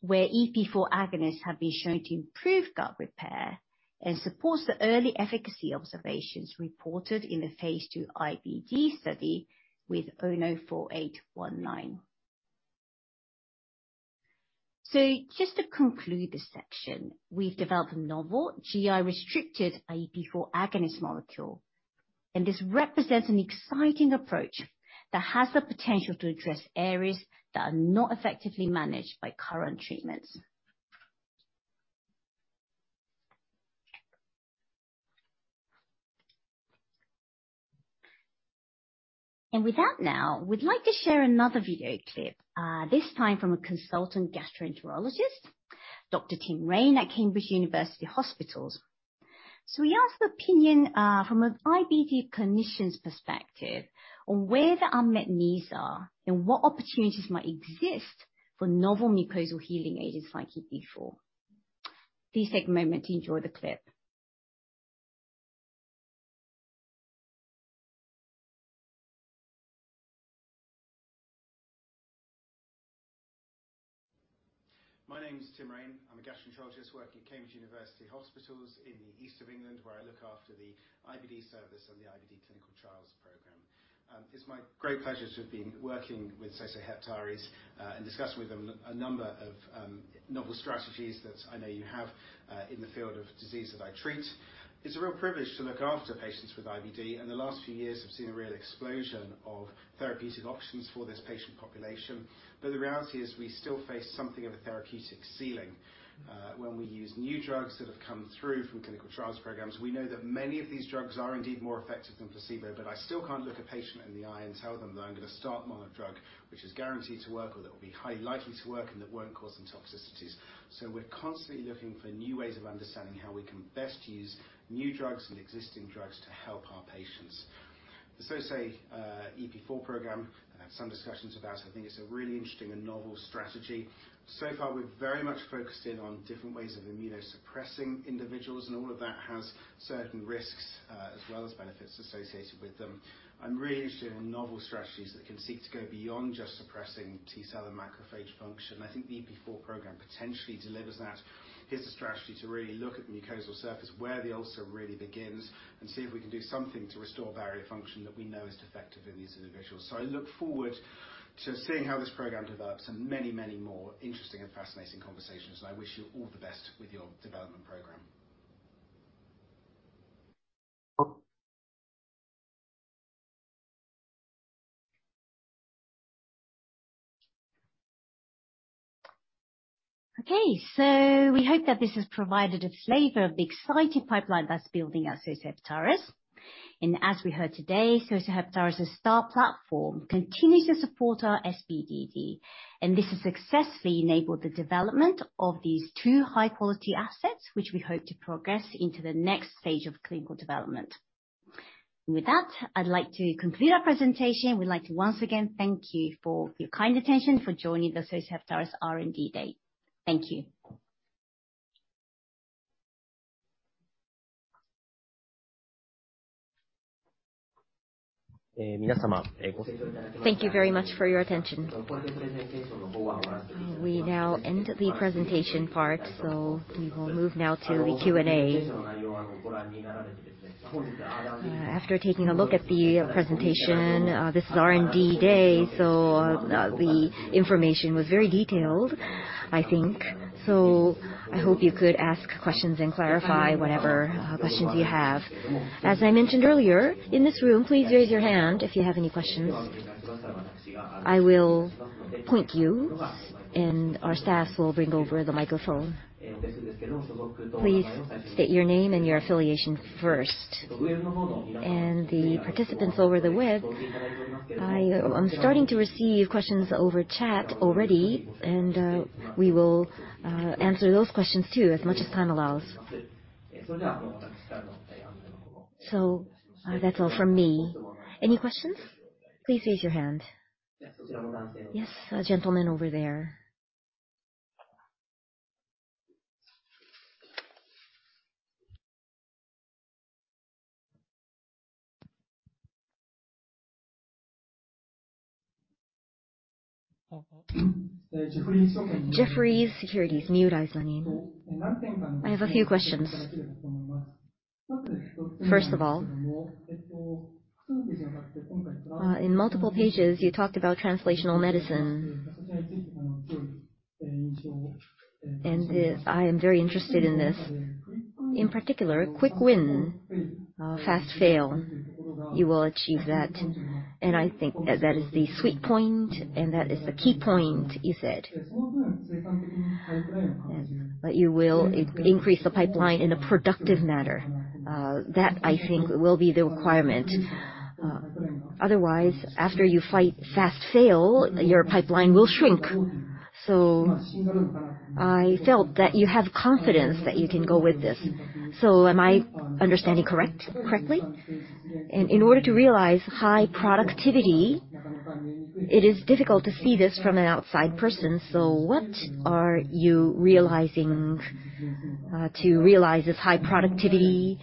where EP4 agonists have been shown to improve gut repair and supports the early efficacy observations reported in the phase II IBD study with Ono 4819. Just to conclude this section, we've developed a novel GI restricted EP4 agonist molecule, and this represents an exciting approach that has the potential to address areas that are not effectively managed by current treatments. With that now, we'd like to share another video clip, this time from a consultant gastroenterologist, Dr. Tim Raine at Cambridge University Hospitals. We asked the opinion from an IBD clinician's perspective on where the unmet needs are and what opportunities might exist for novel mucosal healing agents like EP4. Please take a moment to enjoy the clip. My name is Tim Raine. I'm a gastroenterologist working at Cambridge University Hospitals in the East of England, where I look after the IBD service and the IBD clinical trials program. It's my great pleasure to have been working with Sosei Heptares, and discussing with them a number of novel strategies that I know you have in the field of disease that I treat. It's a real privilege to look after patients with IBD, and the last few years have seen a real explosion of therapeutic options for this patient population. The reality is we still face something of a therapeutic ceiling. When we use new drugs that have come through from clinical trials programs, we know that many of these drugs are indeed more effective than placebo. I still can't look a patient in the eye and tell them that I'm gonna start them on a drug which is guaranteed to work or that will be highly likely to work and that won't cause them toxicities. We're constantly looking for new ways of understanding how we can best use new drugs and existing drugs to help our patients. The Sosei EP4 program, I've had some discussions about, I think it's a really interesting and novel strategy. So far, we've very much focused in on different ways of immunosuppressing individuals, and all of that has certain risks, as well as benefits associated with them. I'm really interested in novel strategies that can seek to go beyond just suppressing T-cell and macrophage function. I think the EP4 program potentially delivers that. Here's a strategy to really look at the mucosal surface, where the ulcer really begins, and see if we can do something to restore barrier function that we know is defective in these individuals. I look forward. To seeing how this program develops and many, many more interesting and fascinating conversations. I wish you all the best with your development program. Okay. We hope that this has provided a flavor of the exciting pipeline that's building at Sosei Heptares. As we heard today, Sosei Heptares' STAR platform continues to support our SBDD. This has successfully enabled the development of these two high-quality assets, which we hope to progress into the next stage of clinical development. With that, I'd like to conclude our presentation. We'd like to once again thank you for your kind attention, for joining the Sosei Heptares' R&D Day. Thank you. Thank you very much for your attention. We now end the presentation part, we will move now to the Q&A. After taking a look at the presentation, this is R&D Day, the information was very detailed, I think. I hope you could ask questions and clarify whatever questions you have. As I mentioned earlier, in this room, please raise your hand if you have any questions. I will point to you, and our staff will bring over the microphone. Please state your name and your affiliation first. The participants over the web, I'm starting to receive questions over chat already, and we will answer those questions too, as much as time allows. That's all from me. Any questions? Please raise your hand. Yes, a gentleman over there. Jefferies Securities, Mio Isani[Miora Isanin]. I have a few questions. First of all, in multiple pages you talked about translational medicine. This, I am very interested in this. In particular, quick win, fast fail, you will achieve that. I think that is the sweet point and that is the key point you said. You will increase the pipeline in a productive manner. I think that will be the requirement. Otherwise, after you fail fast, your pipeline will shrink. I felt that you have confidence that you can go with this. Am I understanding correctly? In order to realize high productivity, it is difficult to see this from an outside person. What are you realizing to realize this high productivity?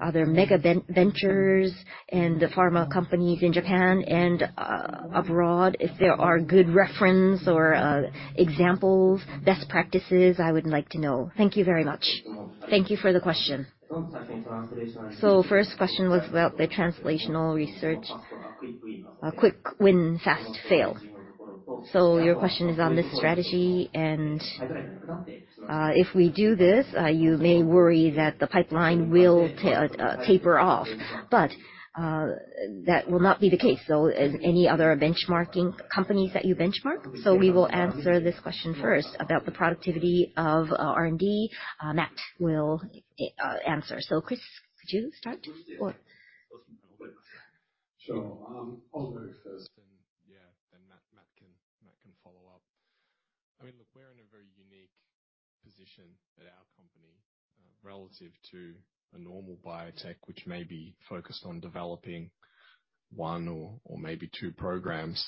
Are there mega ventures and pharma companies in Japan and abroad? If there are good references or examples, best practices, I would like to know. Thank you very much. Thank you for the question. First question was about the translational research, quick win, fast fail. Your question is on this strategy and, if we do this, you may worry that the pipeline will taper off. That will not be the case. Any other benchmarking companies that you benchmark? We will answer this question first about the productivity of R&D. Matt will answer. Chris, could you start or? Sure. I'll go first and yeah, then Matt can follow up. I mean, look, we're in a very unique position at our company, relative to a normal biotech, which may be focused on developing one or maybe two programs.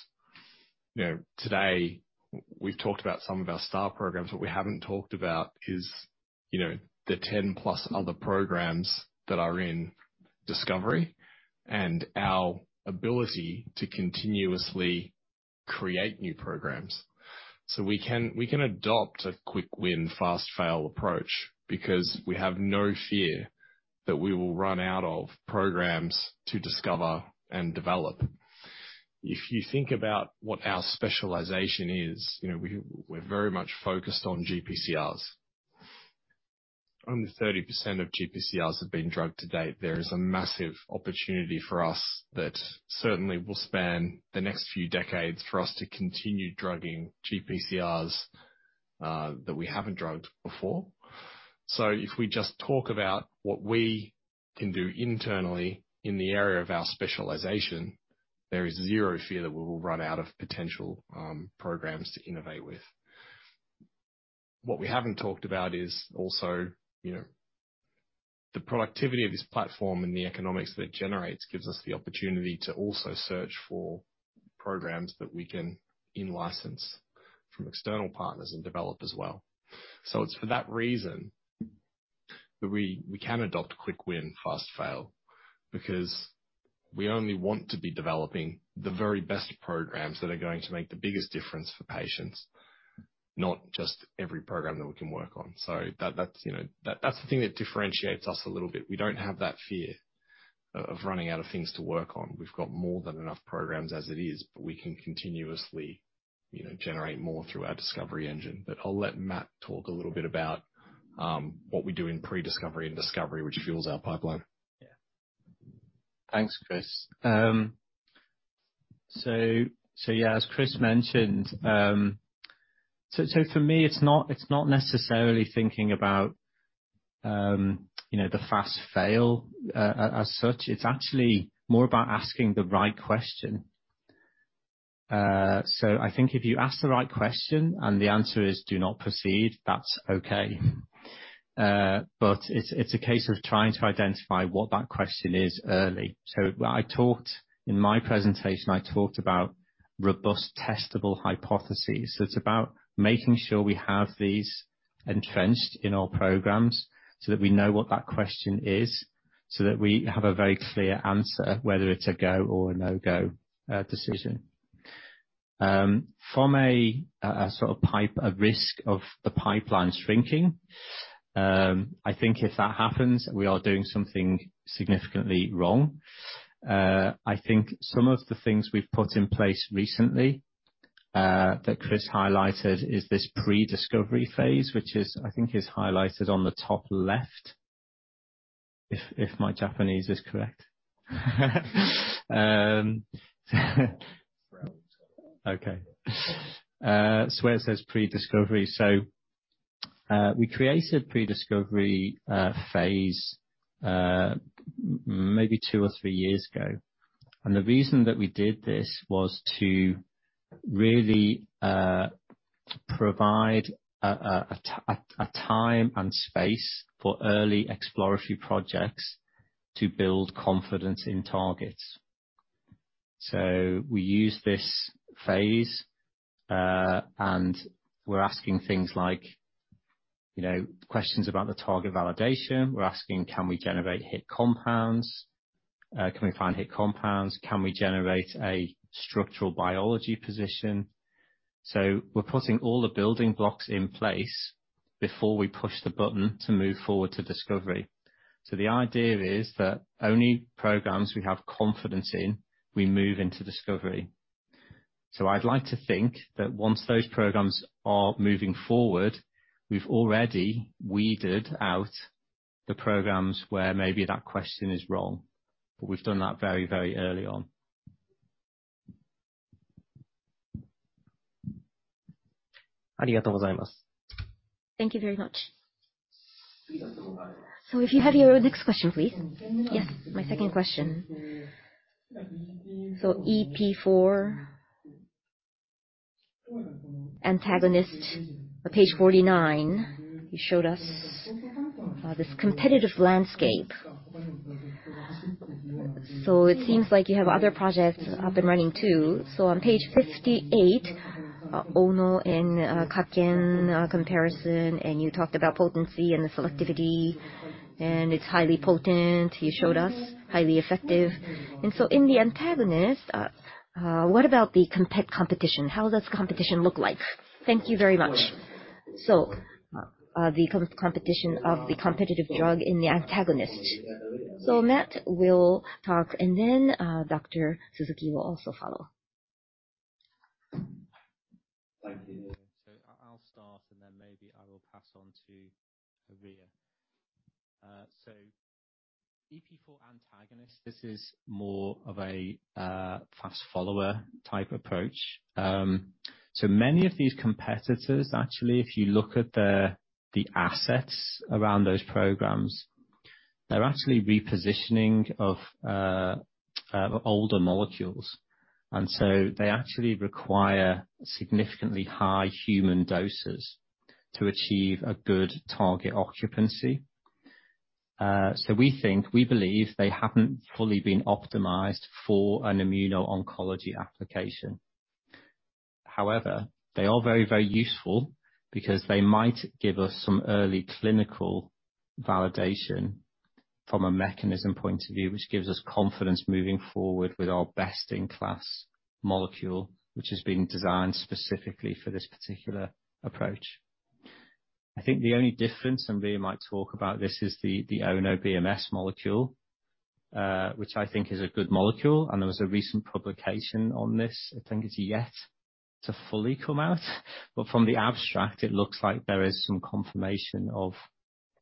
You know, today we've talked about some of our star programs. What we haven't talked about is, you know, the 10+ other programs that are in discovery and our ability to continuously create new programs. We can adopt a quick win, fast fail approach because we have no fear that we will run out of programs to discover and develop. If you think about what our specialization is, you know, we're very much focused on GPCRs. Only 30% of GPCRs have been drugged to date. There is a massive opportunity for us that certainly will span the next few decades for us to continue drugging GPCRs that we haven't drugged before. If we just talk about what we can do internally in the area of our specialization, there is zero fear that we will run out of potential programs to innovate with. What we haven't talked about is also, you know, the productivity of this platform and the economics that it generates gives us the opportunity to also search for programs that we can in-license from external partners and develop as well. It's for that reason that we can adopt quick win, fast fail, because we only want to be developing the very best programs that are going to make the biggest difference for patients. Not just every program that we can work on. That, you know, that's the thing that differentiates us a little bit. We don't have that fear of running out of things to work on. We've got more than enough programs as it is, but we can continuously, you know, generate more through our discovery engine. I'll let Matt talk a little bit about what we do in pre-discovery and discovery, which fuels our pipeline. Yeah. Thanks, Chris. Yeah, as Chris mentioned, so for me, it's not necessarily thinking about, you know, the fast fail, as such. It's actually more about asking the right question. I think if you ask the right question and the answer is, "Do not proceed," that's okay. It's a case of trying to identify what that question is early. In my presentation, I talked about robust testable hypotheses. It's about making sure we have these entrenched in our programs so that we know what that question is, so that we have a very clear answer whether it's a go or a no-go decision. From a sort of risk of the pipeline shrinking, I think if that happens, we are doing something significantly wrong. I think some of the things we've put in place recently that Chris highlighted is this pre-discovery phase, which is, I think is highlighted on the top left, if my Japanese is correct. It's where it says pre-discovery. We created pre-discovery phase maybe two or three years ago. The reason that we did this was to really provide a time and space for early exploratory projects to build confidence in targets. We use this phase and we're asking things like, you know, questions about the target validation. We're asking, can we generate hit compounds? Can we find hit compounds? Can we generate a structural biology position? We're putting all the building blocks in place before we push the button to move forward to discovery. The idea is that only programs we have confidence in, we move into discovery. I'd like to think that once those programs are moving forward, we've already weeded out the programs where maybe that question is wrong, but we've done that very, very early on. Thank you very much. If you have your next question, please. Yes, my second question. EP4 antagonist on page 49, you showed us this competitive landscape. It seems like you have other projects up and running too. On page 58, Ono and Kaken comparison, and you talked about potency and the selectivity, and it's highly potent, you showed us, highly effective. In the antagonist, what about the competition? How does competition look like? Thank you very much. The competition of the competitive drug in the antagonist. Matt will talk, and then Dr. Suzuki will also follow. Thank you. I'll start, and then maybe I will pass on to Rie. EP4 antagonist, this is more of a fast follower type approach. Many of these competitors, actually, if you look at the assets around those programs, they're actually repositioning of older molecules. They actually require significantly high human doses to achieve a good target occupancy. We think, we believe they haven't fully been optimized for an immuno-oncology application. However, they are very, very useful because they might give us some early clinical validation from a mechanism point of view, which gives us confidence moving forward with our best-in-class molecule, which is being designed specifically for this particular approach. I think the only difference, and Rie might talk about this, is the Ono BMS molecule, which I think is a good molecule, and there was a recent publication on this. I think it's yet to fully come out, but from the abstract, it looks like there is some confirmation of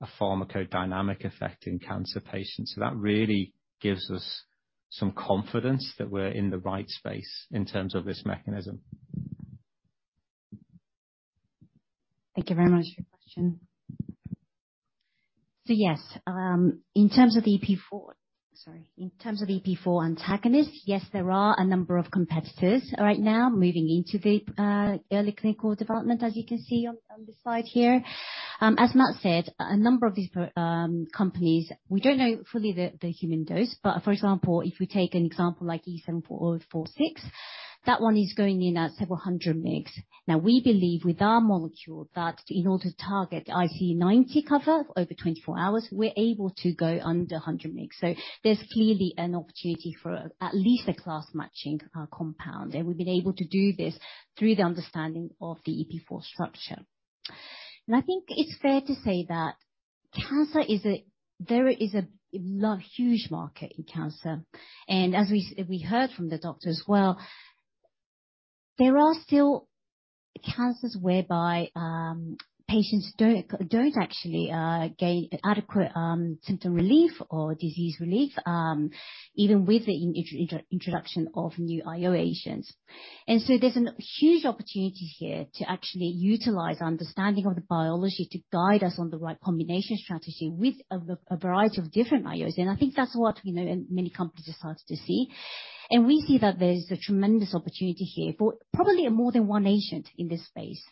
a pharmacodynamic effect in cancer patients. That really gives us some confidence that we're in the right space in terms of this mechanism. Thank you very much for your question. Yes, in terms of EP4 antagonist, yes, there are a number of competitors right now moving into the early clinical development, as you can see on this slide here. As Matt said, a number of these companies, we don't know fully the human dose. But for example, if we take an example like E7046, that one is going in at several hundred mg. Now, we believe with our molecule that in order to target IC90 coverage over 24 hours, we're able to go under 100 mg. So there's clearly an opportunity for at least a class-matching compound. We've been able to do this through the understanding of the EP4 structure. I think it's fair to say. There is a huge market in cancer. As we heard from the doctor as well, there are still cancers whereby patients don't actually gain adequate symptom relief or disease relief even with the introduction of new IO agents. There's a huge opportunity here to actually utilize our understanding of the biology to guide us on the right combination strategy with a variety of different IOs. I think that's what, you know, many companies are starting to see. We see that there's a tremendous opportunity here for probably more than one agent in this space.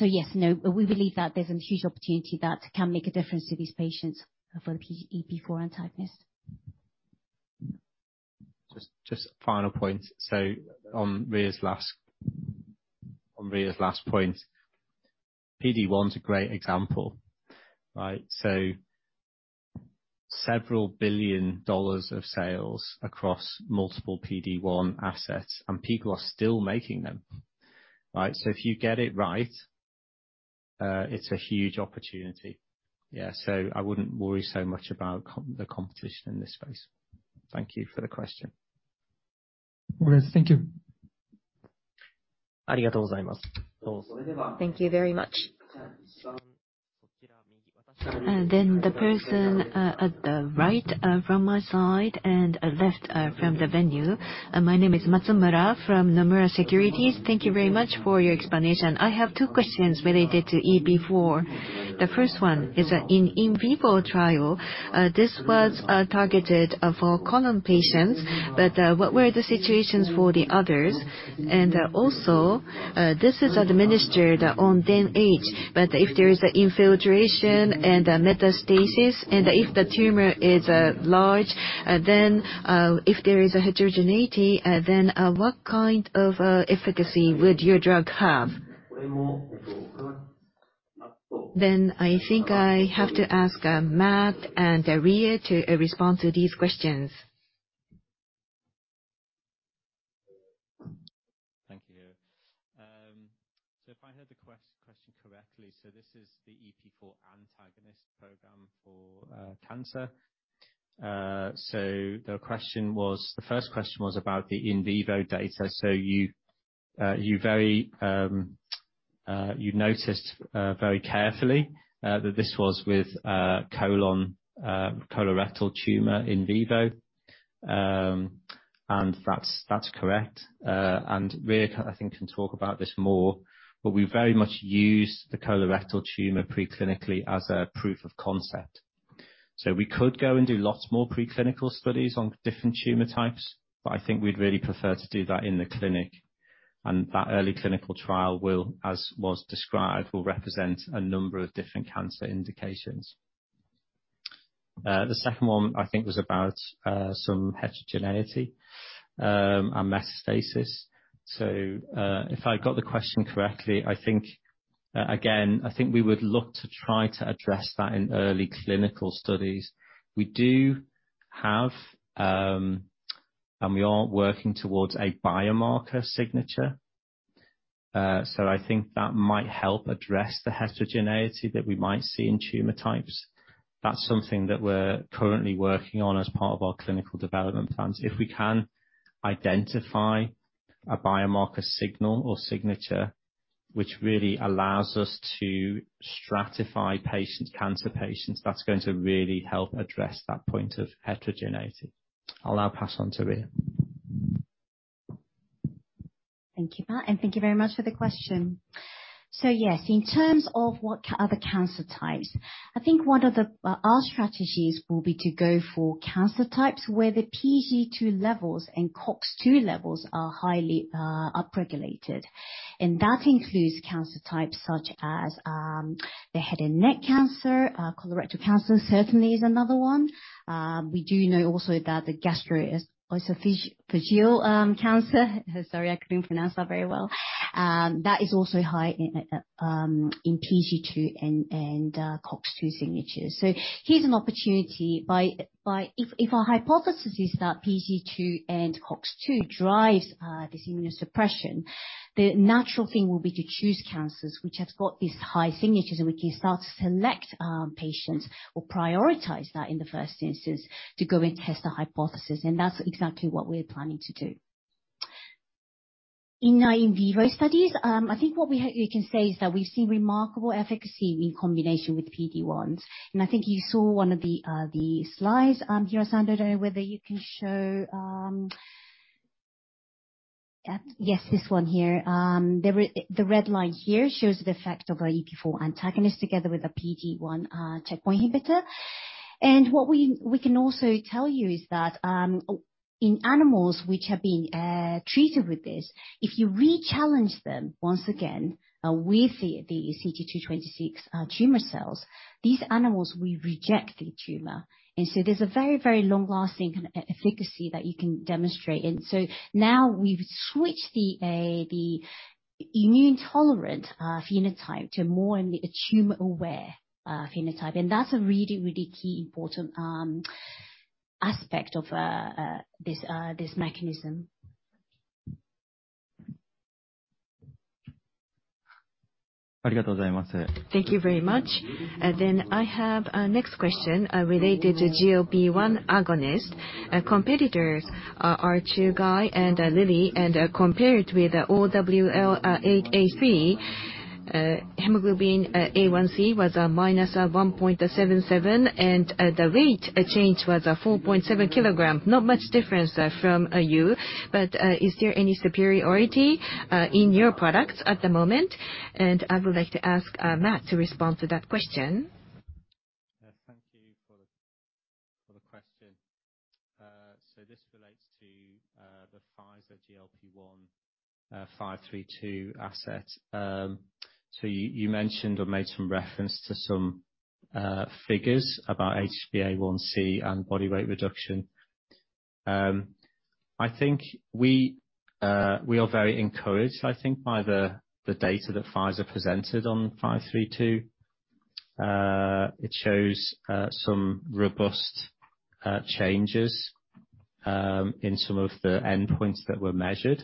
Yes, no, we believe that there's a huge opportunity that can make a difference to these patients for the EP4 antagonist. Just final point. On Rie's last point. PD-1 is a great example. Right, several billion dollars of sales across multiple PD-1 assets, and people are still making them. Right. If you get it right, it's a huge opportunity. Yeah. I wouldn't worry so much about the competition in this space. Thank you for the question. All right. Thank you. Thank you very much. The person at the right from my side and left from the venue. My name is Matsumura from Nomura Securities. Thank you very much for your explanation. I have two questions related to EP4. The first one is, in vivo trial, this was targeted for colon patients, but what were the situations for the others? Also, this is administered on day eight, but if there is infiltration and metastasis, and if the tumor is large, then if there is a heterogeneity, then what kind of efficacy would your drug have? I think I have to ask Matt and Rie to respond to these questions. Thank you. If I heard the question correctly, this is the EP4 antagonist program for cancer. The question was. The first question was about the in vivo data. You noticed very carefully that this was with colorectal tumor in vivo. That's correct. Rie, I think, can talk about this more, but we very much use the colorectal tumor preclinically as a proof of concept. We could go and do lots more preclinical studies on different tumor types, but I think we'd really prefer to do that in the clinic. That early clinical trial will, as was described, represent a number of different cancer indications. The second one, I think, was about some heterogeneity and metastasis. If I got the question correctly, I think, again, I think we would look to try to address that in early clinical studies. We do have, and we are working towards a biomarker signature. I think that might help address the heterogeneity that we might see in tumor types. That's something that we're currently working on as part of our clinical development plans. If we can identify a biomarker signal or signature which really allows us to stratify patients, cancer patients, that's going to really help address that point of heterogeneity. I'll now pass on to Rie. Thank you, Matt, and thank you very much for the question. Yes, in terms of what other cancer types, I think one of our strategies will be to go for cancer types where the PGE2 levels and COX-2 levels are highly upregulated. That includes cancer types such as the head and neck cancer, colorectal cancer certainly is another one. We do know also that the gastroesophageal cancer, sorry, I couldn't pronounce that very well, that is also high in PGE2 and COX-2 signatures. Here's an opportunity. If our hypothesis is that PGE2 and COX-2 drives this immunosuppression, the natural thing will be to choose cancers which have got these high signatures, and we can start to select patients or prioritize that in the first instance to go and test the hypothesis. That's exactly what we're planning to do. In our in vivo studies, I think what we can say is that we've seen remarkable efficacy in combination with PD-1s. I think you saw one of the slides. Hirasawa[Geisinger], I don't know whether you can show. Yes, this one here. The red line here shows the effect of our EP4 antagonist together with a PD-1 checkpoint inhibitor. What we can also tell you is that in animals which have been treated with this, if you rechallenge them once again with the CT26 tumor cells, these animals will reject the tumor. There's a very long-lasting kinda efficacy that you can demonstrate. Now we've switched the immune-tolerant phenotype to more in the tumor-aware phenotype. That's a really key important aspect of this mechanism. Thank you very much. Then I have a next question related to GLP-1 agonist. Our competitors are Chugai and Lilly and compared with OWL833, Hemoglobin A1c was a -1.77, and the weight change was 4.7 kg, not much difference from you, but is there any superiority in your products at the moment? I would like to ask Matt to respond to that question. Thank you for the question. This relates to Pfizer's GLP-1 532 asset. You mentioned or made some reference to some figures about HbA1c and body-weight reduction. I think, we are very encourage, I think, by the data, that Pfizer presents on 532 it shows some reports and changes in some of the endpoints were measured,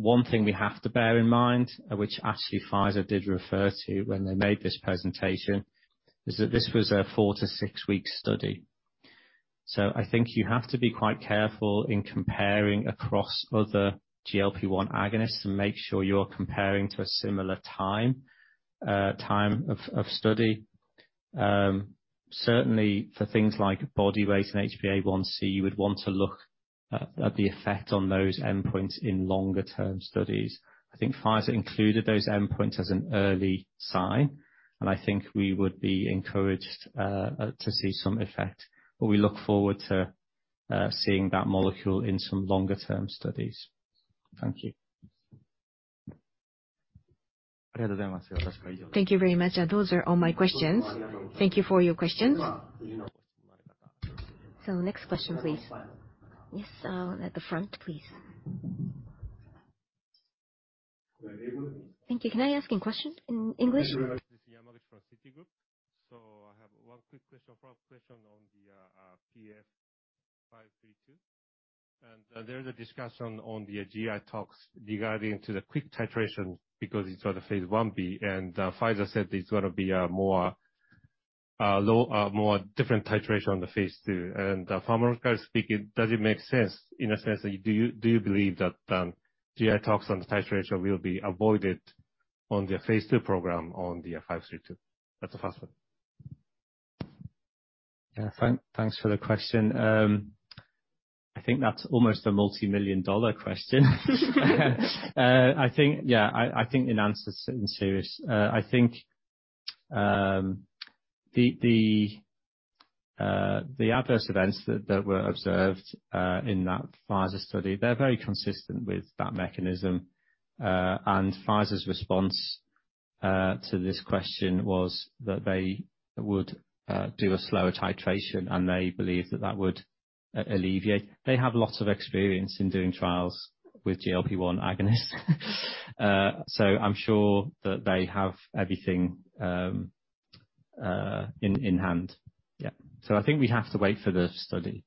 one thing we have to bear in mind, which actually Pfizer did refer to when they made this presentation, is that this was four to six weeks study. So I think you have to be quite careful in comparing across other GLP-1 agonists and make sure you're comparing to a similar time of study. Certainly for things like body weight and HbA1c you would want to look at the effect on those endpoints in longer term studies. I think Pfizer included those endpoints as an early sign and I think we would be encouraged to see some effect. But we look forward to seeing that molecule in some longer term studies. Thank you. Thank you very much. Those are all my questions. Thank you for your questions. Next question, please. Yes, at the front, please. Thank you. Can I ask a question in English? Sure. This is Yamaguchi from Citigroup. I have one quick question, follow-up question on the PF-532. There is a discussion on the GI talks regarding to the quick titration because it's on the phase I-B. Pfizer said it's gonna be a more different titration on the phase II. Pharmacologically speaking, does it make sense? In a sense, do you believe that GI talks on the titration will be avoided on the phase II program on the 532? That's the first one. Yeah. Thanks for the question. I think that's almost a multi-million dollar question. I think the adverse events that were observed in that Pfizer study are very consistent with that mechanism. Pfizer's response to this question was that they would do a slower titration, and they believe that that would alleviate. They have lots of experience in doing trials with GLP-1 agonists. I'm sure that they have everything in hand. Yeah. I think we have to wait for the study.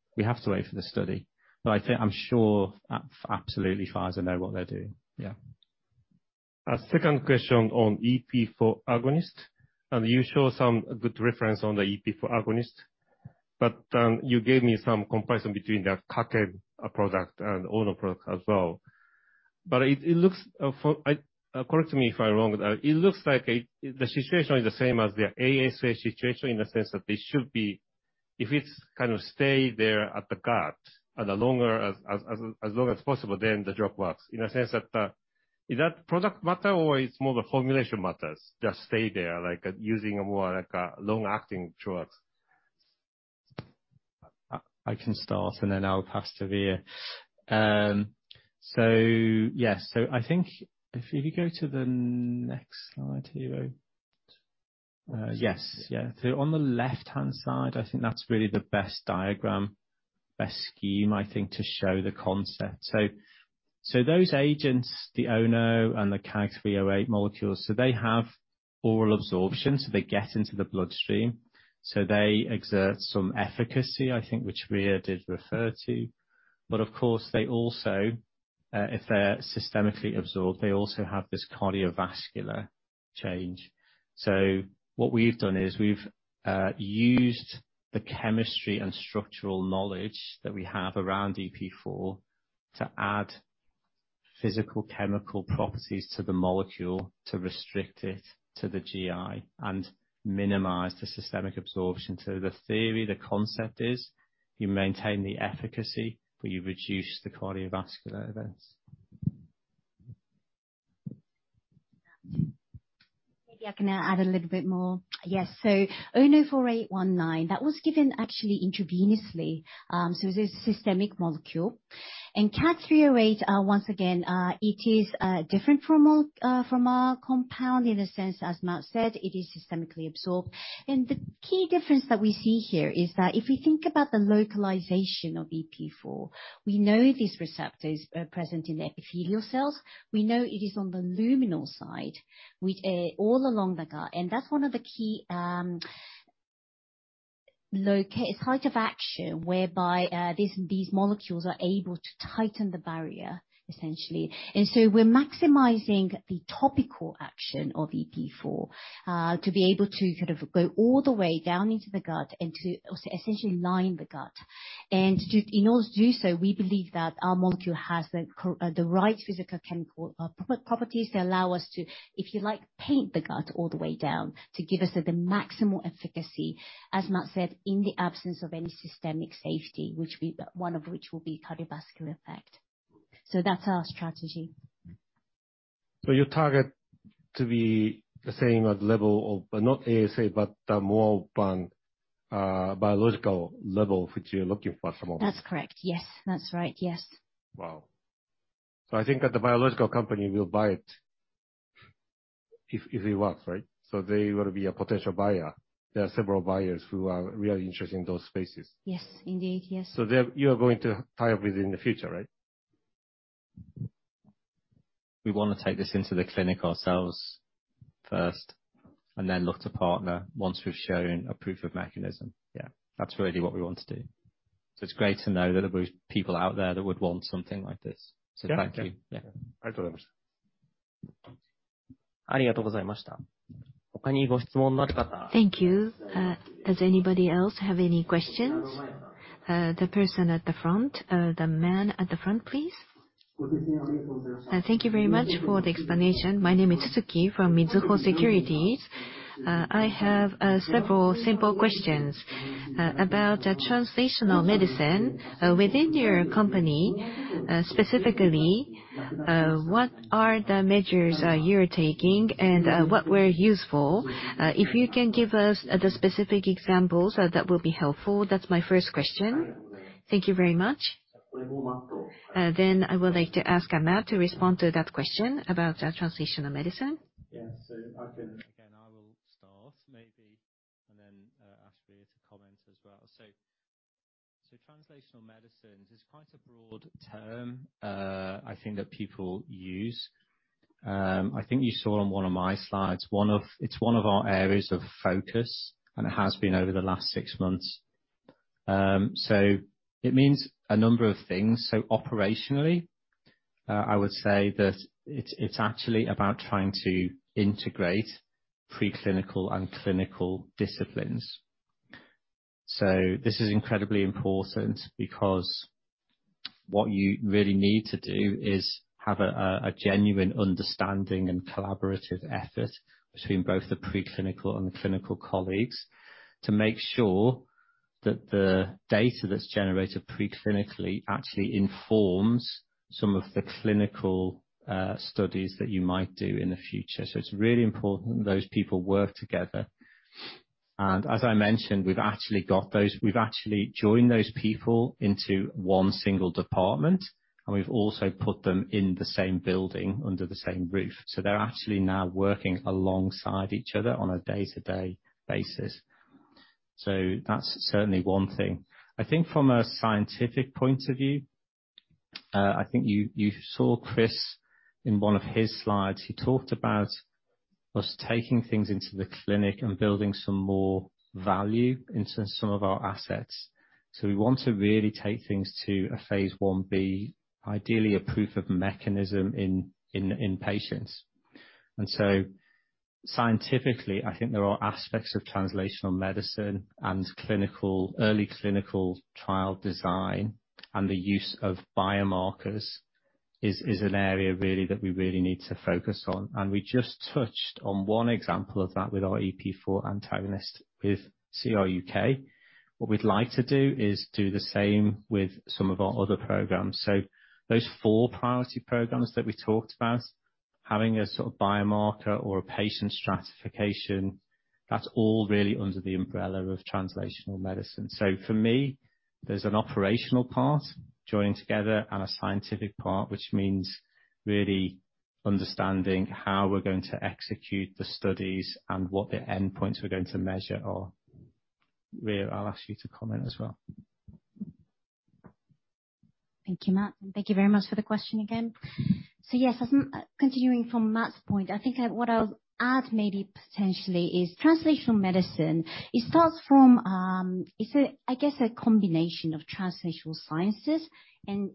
I think I'm sure absolutely Pfizer know what they're doing. Yeah. Second question on EP4 agonist. You show some good reference on the EP4 agonist, but you gave me some comparison between the Kaken product and Ono product as well. But it looks, correct me if I'm wrong. It looks like the situation is the same as the 5-ASA situation in the sense that they should be if it's kind of stay there at the gut and the longer as long as possible, then the drug works. In a sense that, is that product matter or it's more the formulation matters? Just stay there, like, using more like a long-acting drugs. I can start, and then I'll pass to Rie. Yeah. I think if you go to the next slide, Hiro. Yes. Yeah. On the left-hand side, I think that's really the best diagram, best scheme, I think, to show the concept. Those agents, the Ono and the KAG-308 molecules, they have oral absorption, they get into the bloodstream. They exert some efficacy, I think, which Rie did refer to. Of course, they also, if they're systemically absorbed, they also have this cardiovascular change. What we've done is we've used the chemistry and structural knowledge that we have around EP4 to add physical chemical properties to the molecule to restrict it to the GI and minimize the systemic absorption. The theory, the concept is you maintain the efficacy, but you reduce the cardiovascular events. Maybe I can add a little bit more. Yes. Ono 4819, that was given actually intravenously, so it is a systemic molecule. In KAG-308, once again, it is a different formula compound in a sense, as Matt said, it is systemically absorbed. The key difference that we see here is that if we think about the localization of EP4, we know these receptors are present in the epithelial cells. We know it is on the luminal side with all along the gut. That's one of the key site of action whereby these molecules are able to tighten the barrier essentially. We're maximizing the topical action of EP4 to be able to sort of go all the way down into the gut and to also essentially line the gut. In order to do so, we believe that our molecule has the right physical, chemical properties that allow us to, if you like, paint the gut all the way down to give us the maximal efficacy, as Matt said, in the absence of any systemic safety, one of which will be cardiovascular effect. That's our strategy. You target to be the same as level of but not 5-ASA, but more on biological level, which you're looking for at the moment. That's correct. Yes. That's right. Yes. Wow. I think that the biotech company will buy it if it works, right? They will be a potential buyer. There are several buyers who are really interested in those spaces. Yes. Indeed. Yes. You are going to tie up with in the future, right? We wanna take this into the clinic ourselves first and then look to partner once we've shown a proof of mechanism. Yeah. That's really what we want to do. It's great to know that there were people out there that would want something like this. Yeah. Thank you. Yeah. Thank you. Does anybody else have any questions? The person at the front. The man at the front, please. Thank you very much for the explanation. My name is Tsuzuki from Mizuho Securities. I have several simple questions about the translational medicine within your company. Specifically, what are the measures you're taking and what were useful? If you can give us the specific examples, that will be helpful. That's my first question. Thank you very much. I would like to ask Matt to respond to that question about the translational medicine. Yeah. Again, I will start maybe and then ask Rie to comment as well. Translational medicines is quite a broad term, I think that people use. I think you saw on one of my slides. It's one of our areas of focus, and it has been over the last six months. It means a number of things. Operationally, I would say that it's actually about trying to integrate pre-clinical and clinical disciplines. This is incredibly important because what you really need to do is have a genuine understanding and collaborative effort between both the pre-clinical and the clinical colleagues to make sure that the data that's generated pre-clinically actually informs some of the clinical studies that you might do in the future. It's really important those people work together. As I mentioned, we've actually got those. We've actually joined those people into one single department, and we've also put them in the same building under the same roof. They're actually now working alongside each other on a day-to-day basis. That's certainly one thing. I think from a scientific point of view, I think you saw Chris in one of his slides. He talked about us taking things into the clinic and building some more value into some of our assets. We want to really take things to a phase I-B, ideally a proof of mechanism in patients. Scientifically, I think there are aspects of translational medicine and clinical early clinical trial design and the use of biomarkers is an area really that we really need to focus on. We just touched on one example of that with our EP4 antagonist with CRUK. What we'd like to do is do the same with some of our other programs. Those four priority programs that we talked about, having a sort of biomarker or a patient stratification, that's all really under the umbrella of translational medicine. For me, there's an operational part joining together and a scientific part, which means really understanding how we're going to execute the studies and what the endpoints we're going to measure are. Rie, I'll ask you to comment as well. Thank you, Matt. Thank you very much for the question again. Yes, as I'm continuing from Matt's point, I think what I'll add maybe potentially is translational medicine. It starts from. It's a, I guess, a combination of translational sciences and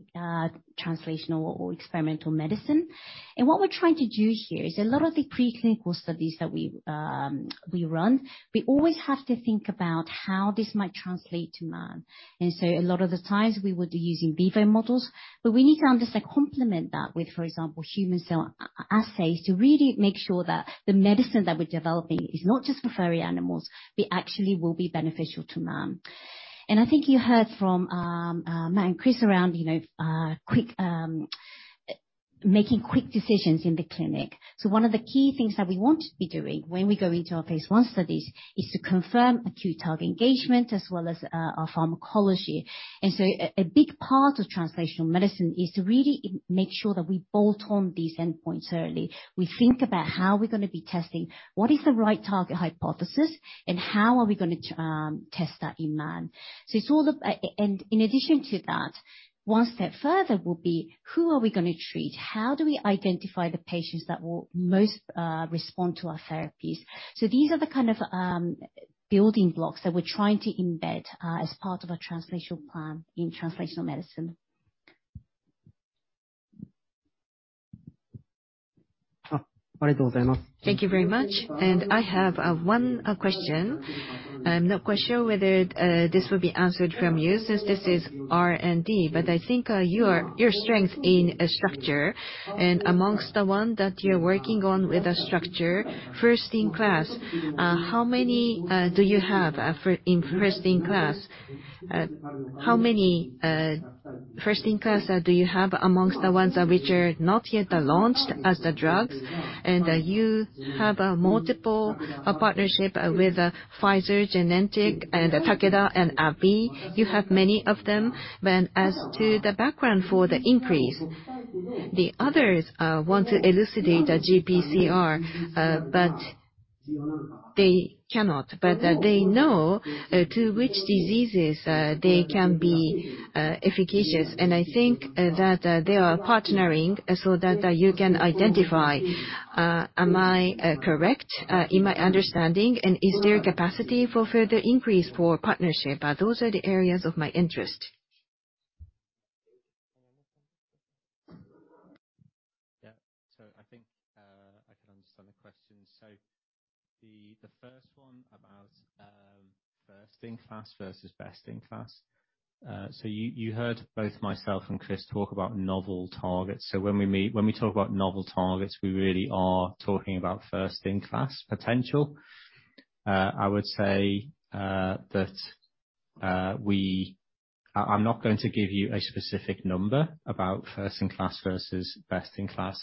translational or experimental medicine. What we're trying to do here is a lot of the preclinical studies that we run, we always have to think about how this might translate to man. A lot of the times we would be using in vivo models, but we need to understand, complement that with, for example, human cell assays to really make sure that the medicine that we're developing is not just for furry animals, but actually will be beneficial to man. I think you heard from Matt and Chris around you know making quick decisions in the clinic. One of the key things that we want to be doing when we go into our phase I studies is to confirm acute target engagement as well as our pharmacology. A big part of translational medicine is to really make sure that we bolt on these endpoints early. We think about how we're gonna be testing, what is the right target hypothesis, and how are we gonna test that in man. In addition to that, one step further will be who are we gonna treat? How do we identify the patients that will most respond to our therapies? These are the kind of building blocks that we're trying to embed as part of our translational plan in translational medicine. Thank you very much. I have one question. I'm not quite sure whether this will be answered from you since this is R&D, but I think your strength in a structure and amongst the one that you're working on with the structure first-in-class, how many do you have for first-in-class? How many first-in-class do you have amongst the ones which are not yet launched as the drugs? You have multiple partnerships with Pfizer, Genentech and Takeda and AbbVie. You have many of them. When as to the background for the increase, the others want to elucidate GPCR, but they cannot. They know to which diseases they can be efficacious. I think that they are partnering so that you can identify. Am I correct in my understanding, and is there capacity for further increase for partnership? Those are the areas of my interest. Yeah. I think I can understand the question. The first one about first in class versus best in class. You heard both myself and Chris talk about novel targets. When we talk about novel targets, we really are talking about first in class potential. I would say that I'm not going to give you a specific number about first in class versus best in class.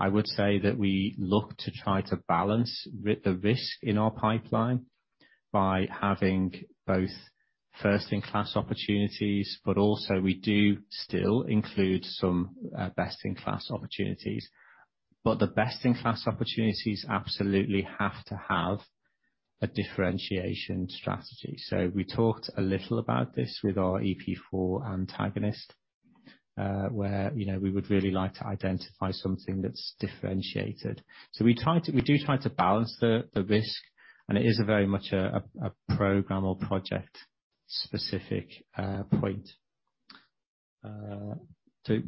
I would say that we look to try to balance the risk in our pipeline by having both first in class opportunities, but also we do still include some best in class opportunities. The best in class opportunities absolutely have to have a differentiation strategy. We talked a little about this with our EP4 antagonist, where, you know, we would really like to identify something that's differentiated. We do try to balance the risk, and it is very much a program or project specific point.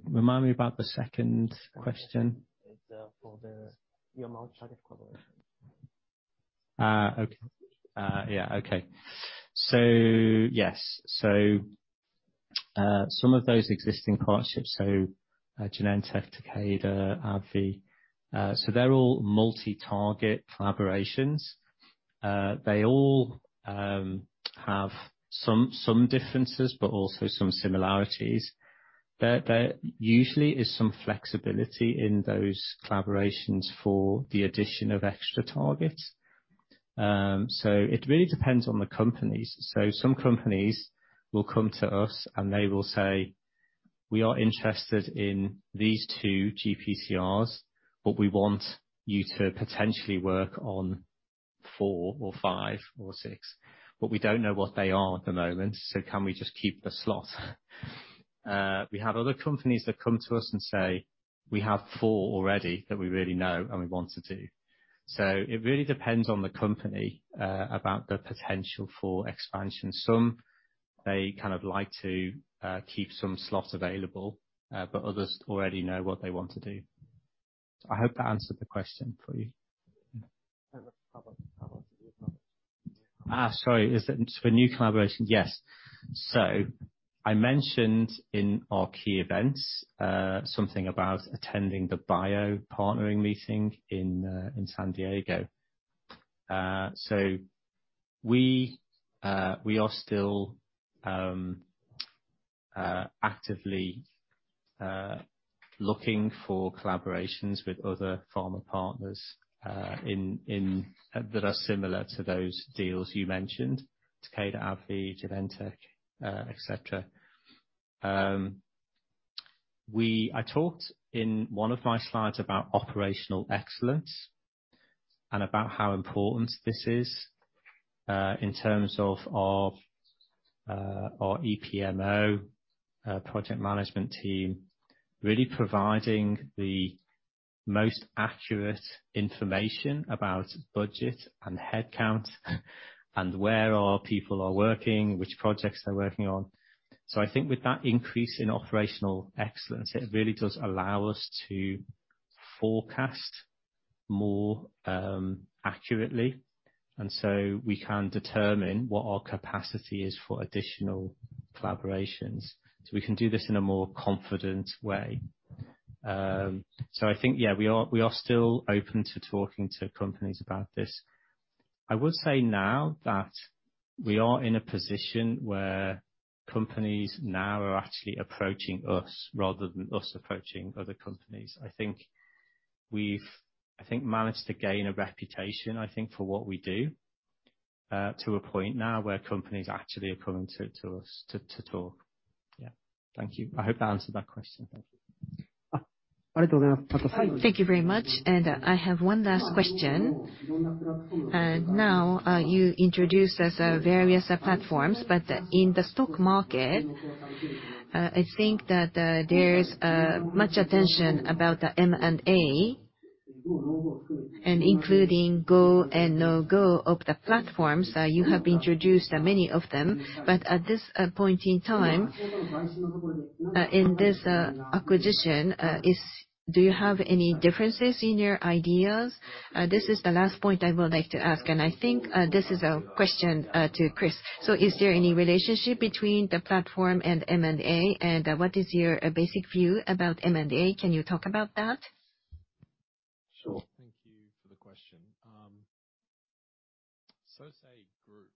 Remind me about the second question. It's for the multi-target collaboration. Some of those existing partnerships, Genentech, Takeda, AbbVie, they're all multi-target collaborations. They all have some differences, but also some similarities. There usually is some flexibility in those collaborations for the addition of extra targets. It really depends on the companies. Some companies will come to us and they will say, "We are interested in these two GPCRs, but we want you to potentially work on four or five or six. But we don't know what they are at the moment, so can we just keep the slot?" We have other companies that come to us and say, "We have four already that we really know and we want to do." It really depends on the company about the potential for expansion. Some, they kind of like to keep some slots available, but others already know what they want to do. I hope that answered the question for you. Sorry. Is it for new collaborations? Yes. I mentioned in our key events something about attending the BIO Partnering meeting in San Diego. We are still actively looking for collaborations with other pharma partners that are similar to those deals you mentioned, Takeda, AbbVie, Genentech, et cetera. I talked in one of my slides about operational excellence and about how important this is in terms of our EPMO project management team really providing the most accurate information about budget and headcount and where our people are working, which projects they're working on. I think with that increase in operational excellence, it really does allow us to forecast more accurately, and we can determine what our capacity is for additional collaborations, so we can do this in a more confident way. I think, yeah, we are still open to talking to companies about this. I would say now that we are in a position where companies now are actually approaching us rather than us approaching other companies. I think we've managed to gain a reputation, I think, for what we do to a point now where companies are actually coming to us to talk. Yeah. Thank you. I hope that answered that question. Thank you. Thank you very much. I have one last question. Now, you introduced us various platforms, but in the stock market, I think that there's much attention about the M&A and including go and no-go of the platforms. You have introduced many of them, but at this point in time, in this acquisition, do you have any differences in your ideas? This is the last point I would like to ask, and I think this is a question to Chris. Is there any relationship between the platform and M&A, and what is your basic view about M&A? Can you talk about that? Sure. Thank you for the question. Sosei Group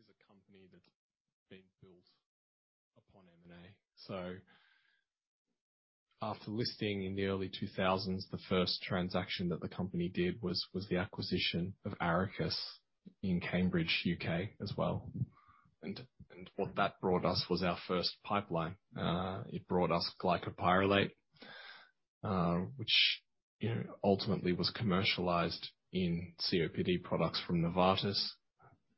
is a company that's been built upon M&A. After listing in the early 2000s, the first transaction that the company did was the acquisition of Arakis in Cambridge, U.K., as well. What that brought us was our first pipeline. It brought us glycopyrrolate, which, you know, ultimately was commercialized in COPD products from Novartis,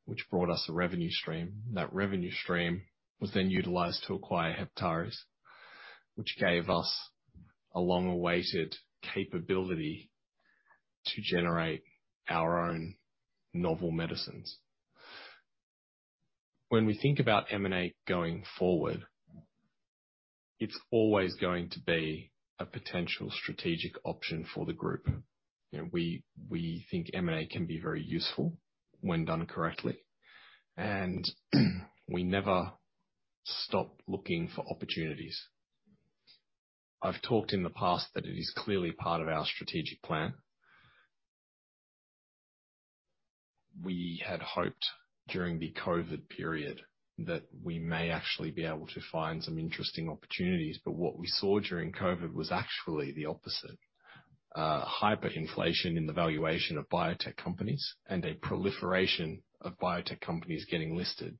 which brought us a revenue stream. That revenue stream was then utilized to acquire Heptares, which gave us a long-awaited capability to generate our own novel medicines. When we think about M&A going forward, it's always going to be a potential strategic option for the group. You know, we think M&A can be very useful when done correctly, and we never stop looking for opportunities. I've talked in the past that it is clearly part of our strategic plan. We had hoped during the COVID period that we may actually be able to find some interesting opportunities, but what we saw during COVID was actually the opposite. Hyperinflation in the valuation of biotech companies and a proliferation apply companies getting listed.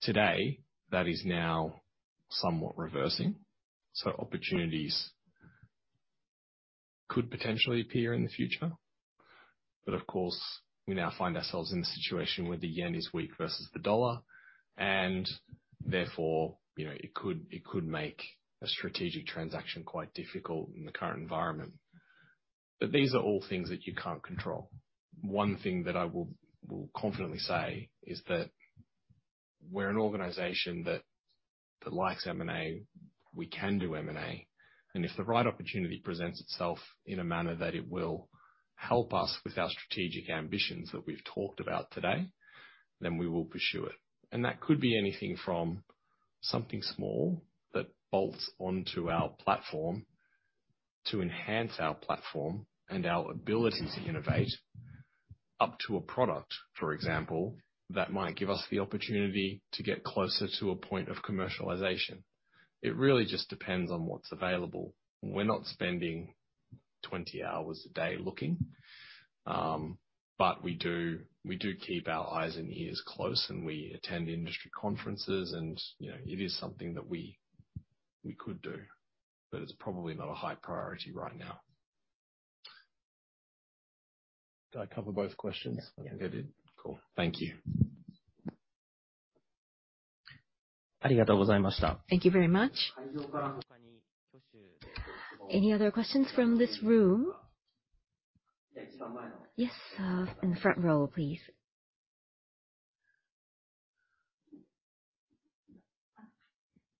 Today, that is now somewhat reversing. Some opportunities could potentially appear in the future. Of course, we now find ourselves in a situation where the yen is weak versus the dollar, and therefore, you know, it could make a strategic transaction quite difficult in the current environment. These are all things that you can't control. One thing that I will confidently say is that we're an organization that likes M&A. We can do M&A, and if the right opportunity presents itself in a manner that it will help us with our strategic ambitions that we've talked about today, then we will pursue it. That could be anything from something small that bolts onto our platform to enhance our platform and our ability to innovate up to a product, for example, that might give us the opportunity to get closer to a point of commercialization. It really just depends on what's available. We're not spending 20 hours a day looking, but we do keep our eyes and ears close, and we attend industry conferences and, you know, it is something that we could do. It's probably not a high priority right now. Did I cover both questions? Yeah, you did. Cool. Thank you. Thank you very much. Any other questions from this room? Yes, in the front row, please.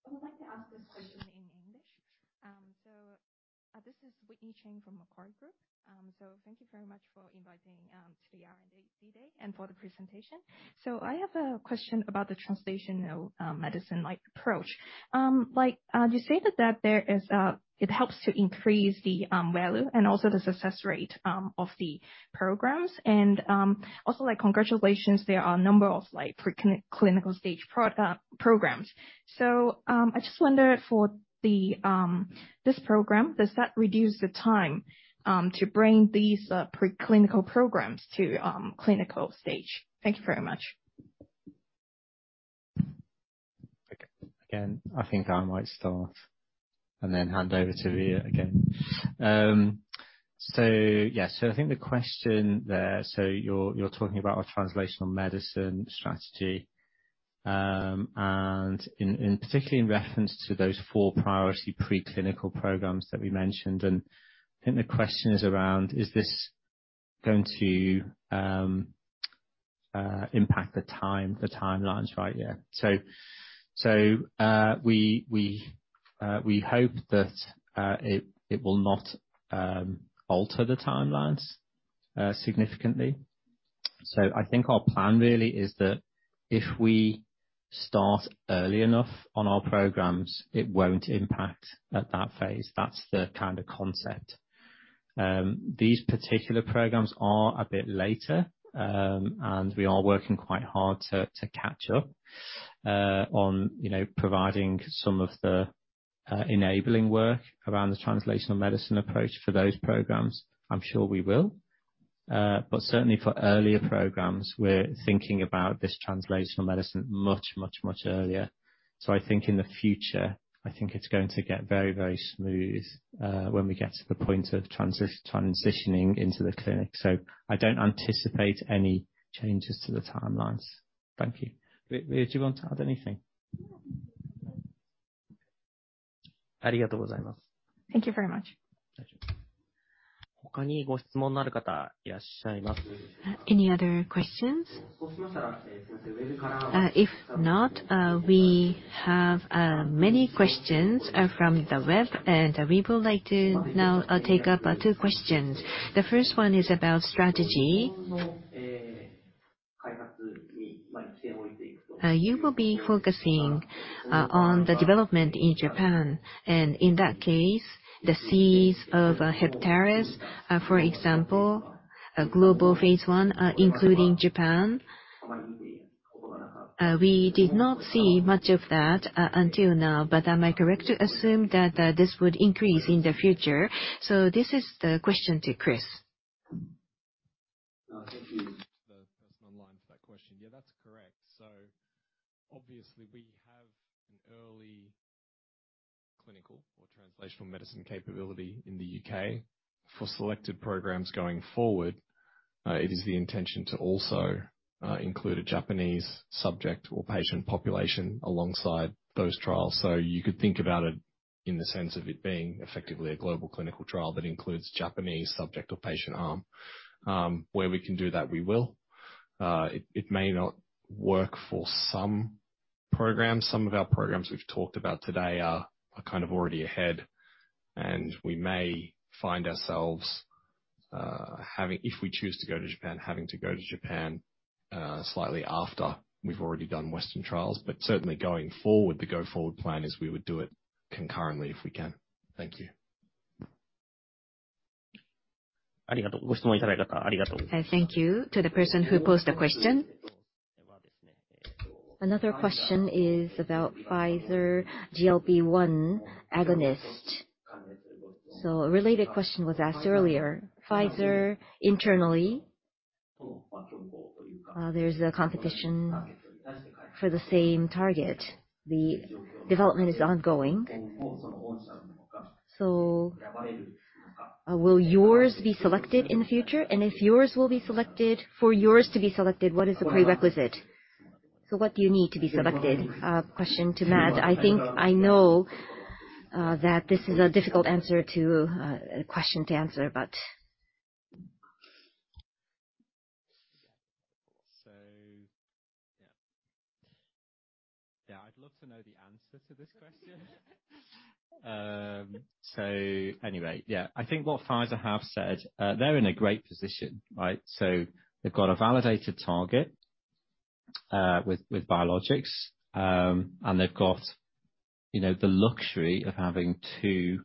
I would like to ask this question in English. This is Wei Ting Tan from Macquarie Group. Thank you very much for inviting to the R&D Day and for the presentation. I have a question about the translational medicine like approach. Like, you say that it helps to increase the value and also the success rate of the programs. And also, like congratulations, there are a number of like pre-clinical stage programs. I just wonder for this program, does that reduce the time to bring these pre-clinical programs to clinical stage? Thank you very much. Again, I think I might start and then hand over to Rie again. Yeah. I think the question there, you're talking about our translational medicine strategy, and particularly in reference to those four priority pre-clinical programs that we mentioned. I think the question is around, is this going to impact the time, the timelines, right? Yeah. We hope that it will not alter the timelines significantly. I think our plan really is that if we start early enough on our programs, it won't impact at that phase. That's the kind of concept. These particular programs are a bit later, and we are working quite hard to catch up on you know providing some of the enabling work around the translational medicine approach for those programs. I'm sure we will. Certainly for earlier programs, we're thinking about this translational medicine much earlier. I think in the future, I think it's going to get very smooth when we get to the point of transitioning into the clinic. I don't anticipate any changes to the timelines. Thank you. Rie, do you want to add anything? Thank you very much. Thank you very much. Any other questions? If not, we have many questions from the web, and we would like to now take up two questions. The first one is about strategy. You will be focusing on the development in Japan. In that case, the CEO of Heptares, for example, a global phase I including Japan. We did not see much of that until now, but am I correct to assume that this would increase in the future? This is the question to Chris. Thank you. The person online for that question. Yeah, that's correct. Obviously we have an early clinical or translational medicine capability in the U.K. For selected programs going forward, it is the intention to also include a Japanese subject or patient population alongside those trials. You could think about it in the sense of it being effectively a global clinical trial that includes Japanese subject or patient arm. Where we can do that, we will. It may not work for some programs. Some of our programs we've talked about today are kind of already ahead, and we may find ourselves, if we choose to go to Japan, having to go to Japan slightly after we've already done Western trials. Certainly going forward, the go-forward plan is we would do it concurrently if we can. Thank you. Thank you. Thank you to the person who posted the question. Another question is about Pfizer GLP-1 agonist. A related question was asked earlier. Pfizer internally, there's a competition for the same target. The development is ongoing. Will yours be selected in the future? If yours will be selected, for yours to be selected, what is the prerequisite? What do you need to be selected? Question to Matt. I think I know that this is a difficult question to answer, but. Yeah. Yeah, I'd love to know the answer to this question. Anyway, yeah. I think what Pfizer have said, they're in a great position, right? They've got a validated target with biologics. And they've got, you know, the luxury of having two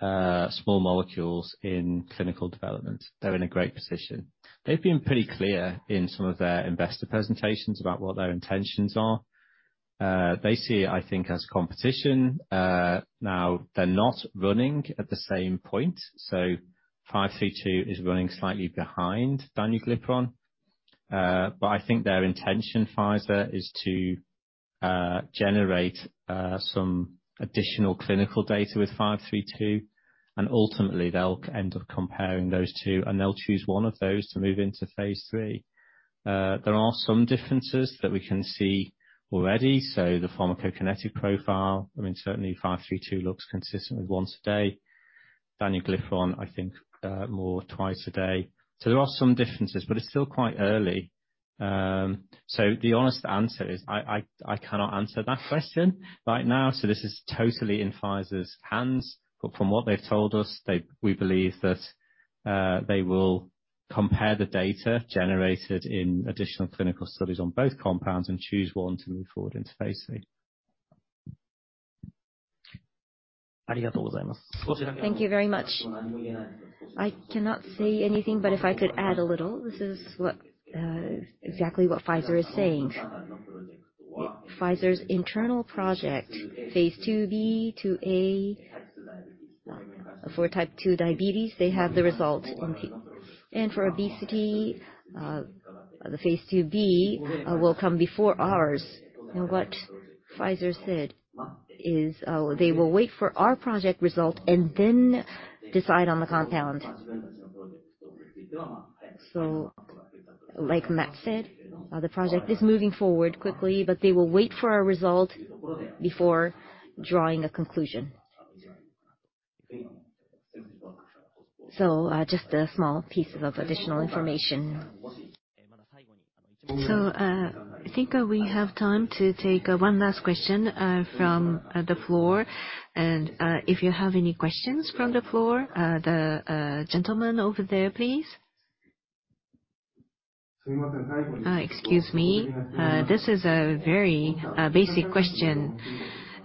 small molecules in clinical development. They're in a great position. They've been pretty clear in some of their investor presentations about what their intentions are. They see it, I think, as competition. Now they're not running at the same point, so 532 is running slightly behind danuglipron. But I think their intention, Pfizer, is to generate some additional clinical data with 532, and ultimately they'll end up comparing those two, and they'll choose one of those to move into phase III. There are some differences that we can see already. The pharmacokinetic profile, I mean, certainly 532 looks consistent with once a day. Danuglipron, I think, more twice a day. There are some differences, but it's still quite early. The honest answer is I cannot answer that question right now. This is totally in Pfizer's hands. From what they've told us, we believe that they will compare the data generated in additional clinical studies on both compounds and choose one to move forward into phase III. Thank you very much. I cannot say anything, but if I could add a little, this is exactly what Pfizer is saying. Pfizer's internal project, phase II-B to A for type 2 diabetes, they have the results on P. For obesity, the phase II-B will come before ours. Now, what Pfizer said is, they will wait for our project result and then decide on the compound. Like Matt said, the project is moving forward quickly, but they will wait for our result before drawing a conclusion. Just a small piece of additional information. I think we have time to take one last question from the floor. If you have any questions from the floor, the gentleman over there, please. Excuse me. This is a very basic question.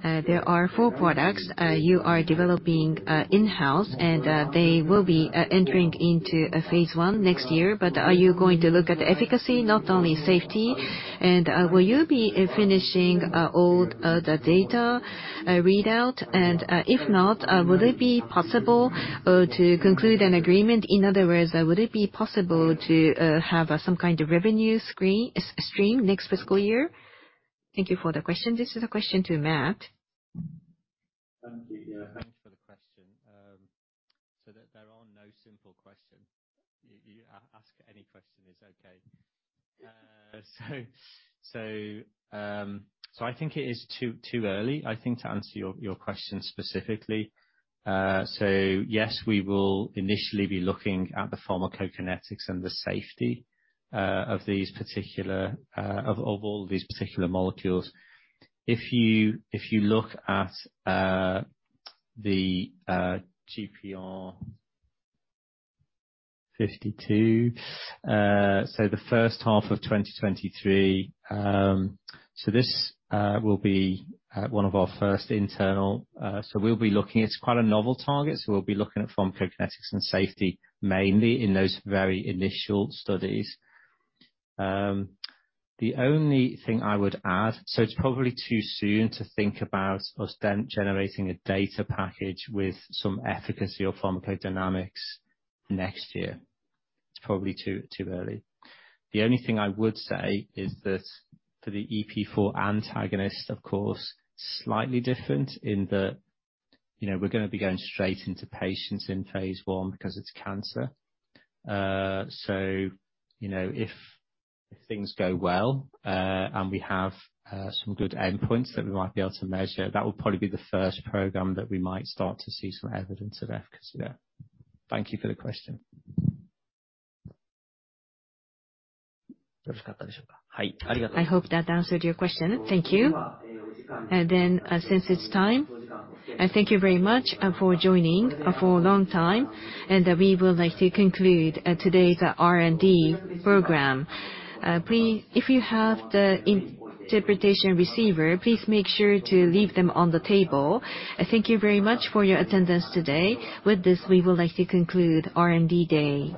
There are four products you are developing in-house and they will be entering into a phase I next year. Are you going to look at the efficacy, not only safety? Will you be finishing all the data readout? If not, would it be possible to conclude an agreement? In other words, would it be possible to have some kind of revenue stream next fiscal year? Thank you for the question. This is a question to Matt. Thank you. Yeah, thanks for the question. That there are no simple question. Ask any question is okay. I think it is too early, I think, to answer your question specifically. Yes, we will initially be looking at the pharmacokinetics and the safety of all these particular molecules. If you look at the GPR52, the first half of 2023, this will be one of our first internal. We'll be looking. It's quite a novel target, we'll be looking at pharmacokinetics and safety mainly in those very initial studies. The only thing I would add, it's probably too soon to think about us then generating a data package with some efficacy or pharmacodynamics next year. It's probably too early. The only thing I would say is that for the EP4 antagonist, of course, slightly different in that, you know, we're gonna be going straight into patients in phase I because it's cancer. You know, if things go well, and we have some good endpoints that we might be able to measure, that will probably be the first program that we might start to see some evidence of efficacy there. Thank you for the question. I hope that answered your question. Thank you. Since it's time, thank you very much for joining for a long time, and we would like to conclude today's R&D program. Please, if you have the interpretation receiver, please make sure to leave them on the table. Thank you very much for your attendance today. With this, we would like to conclude R&D Day.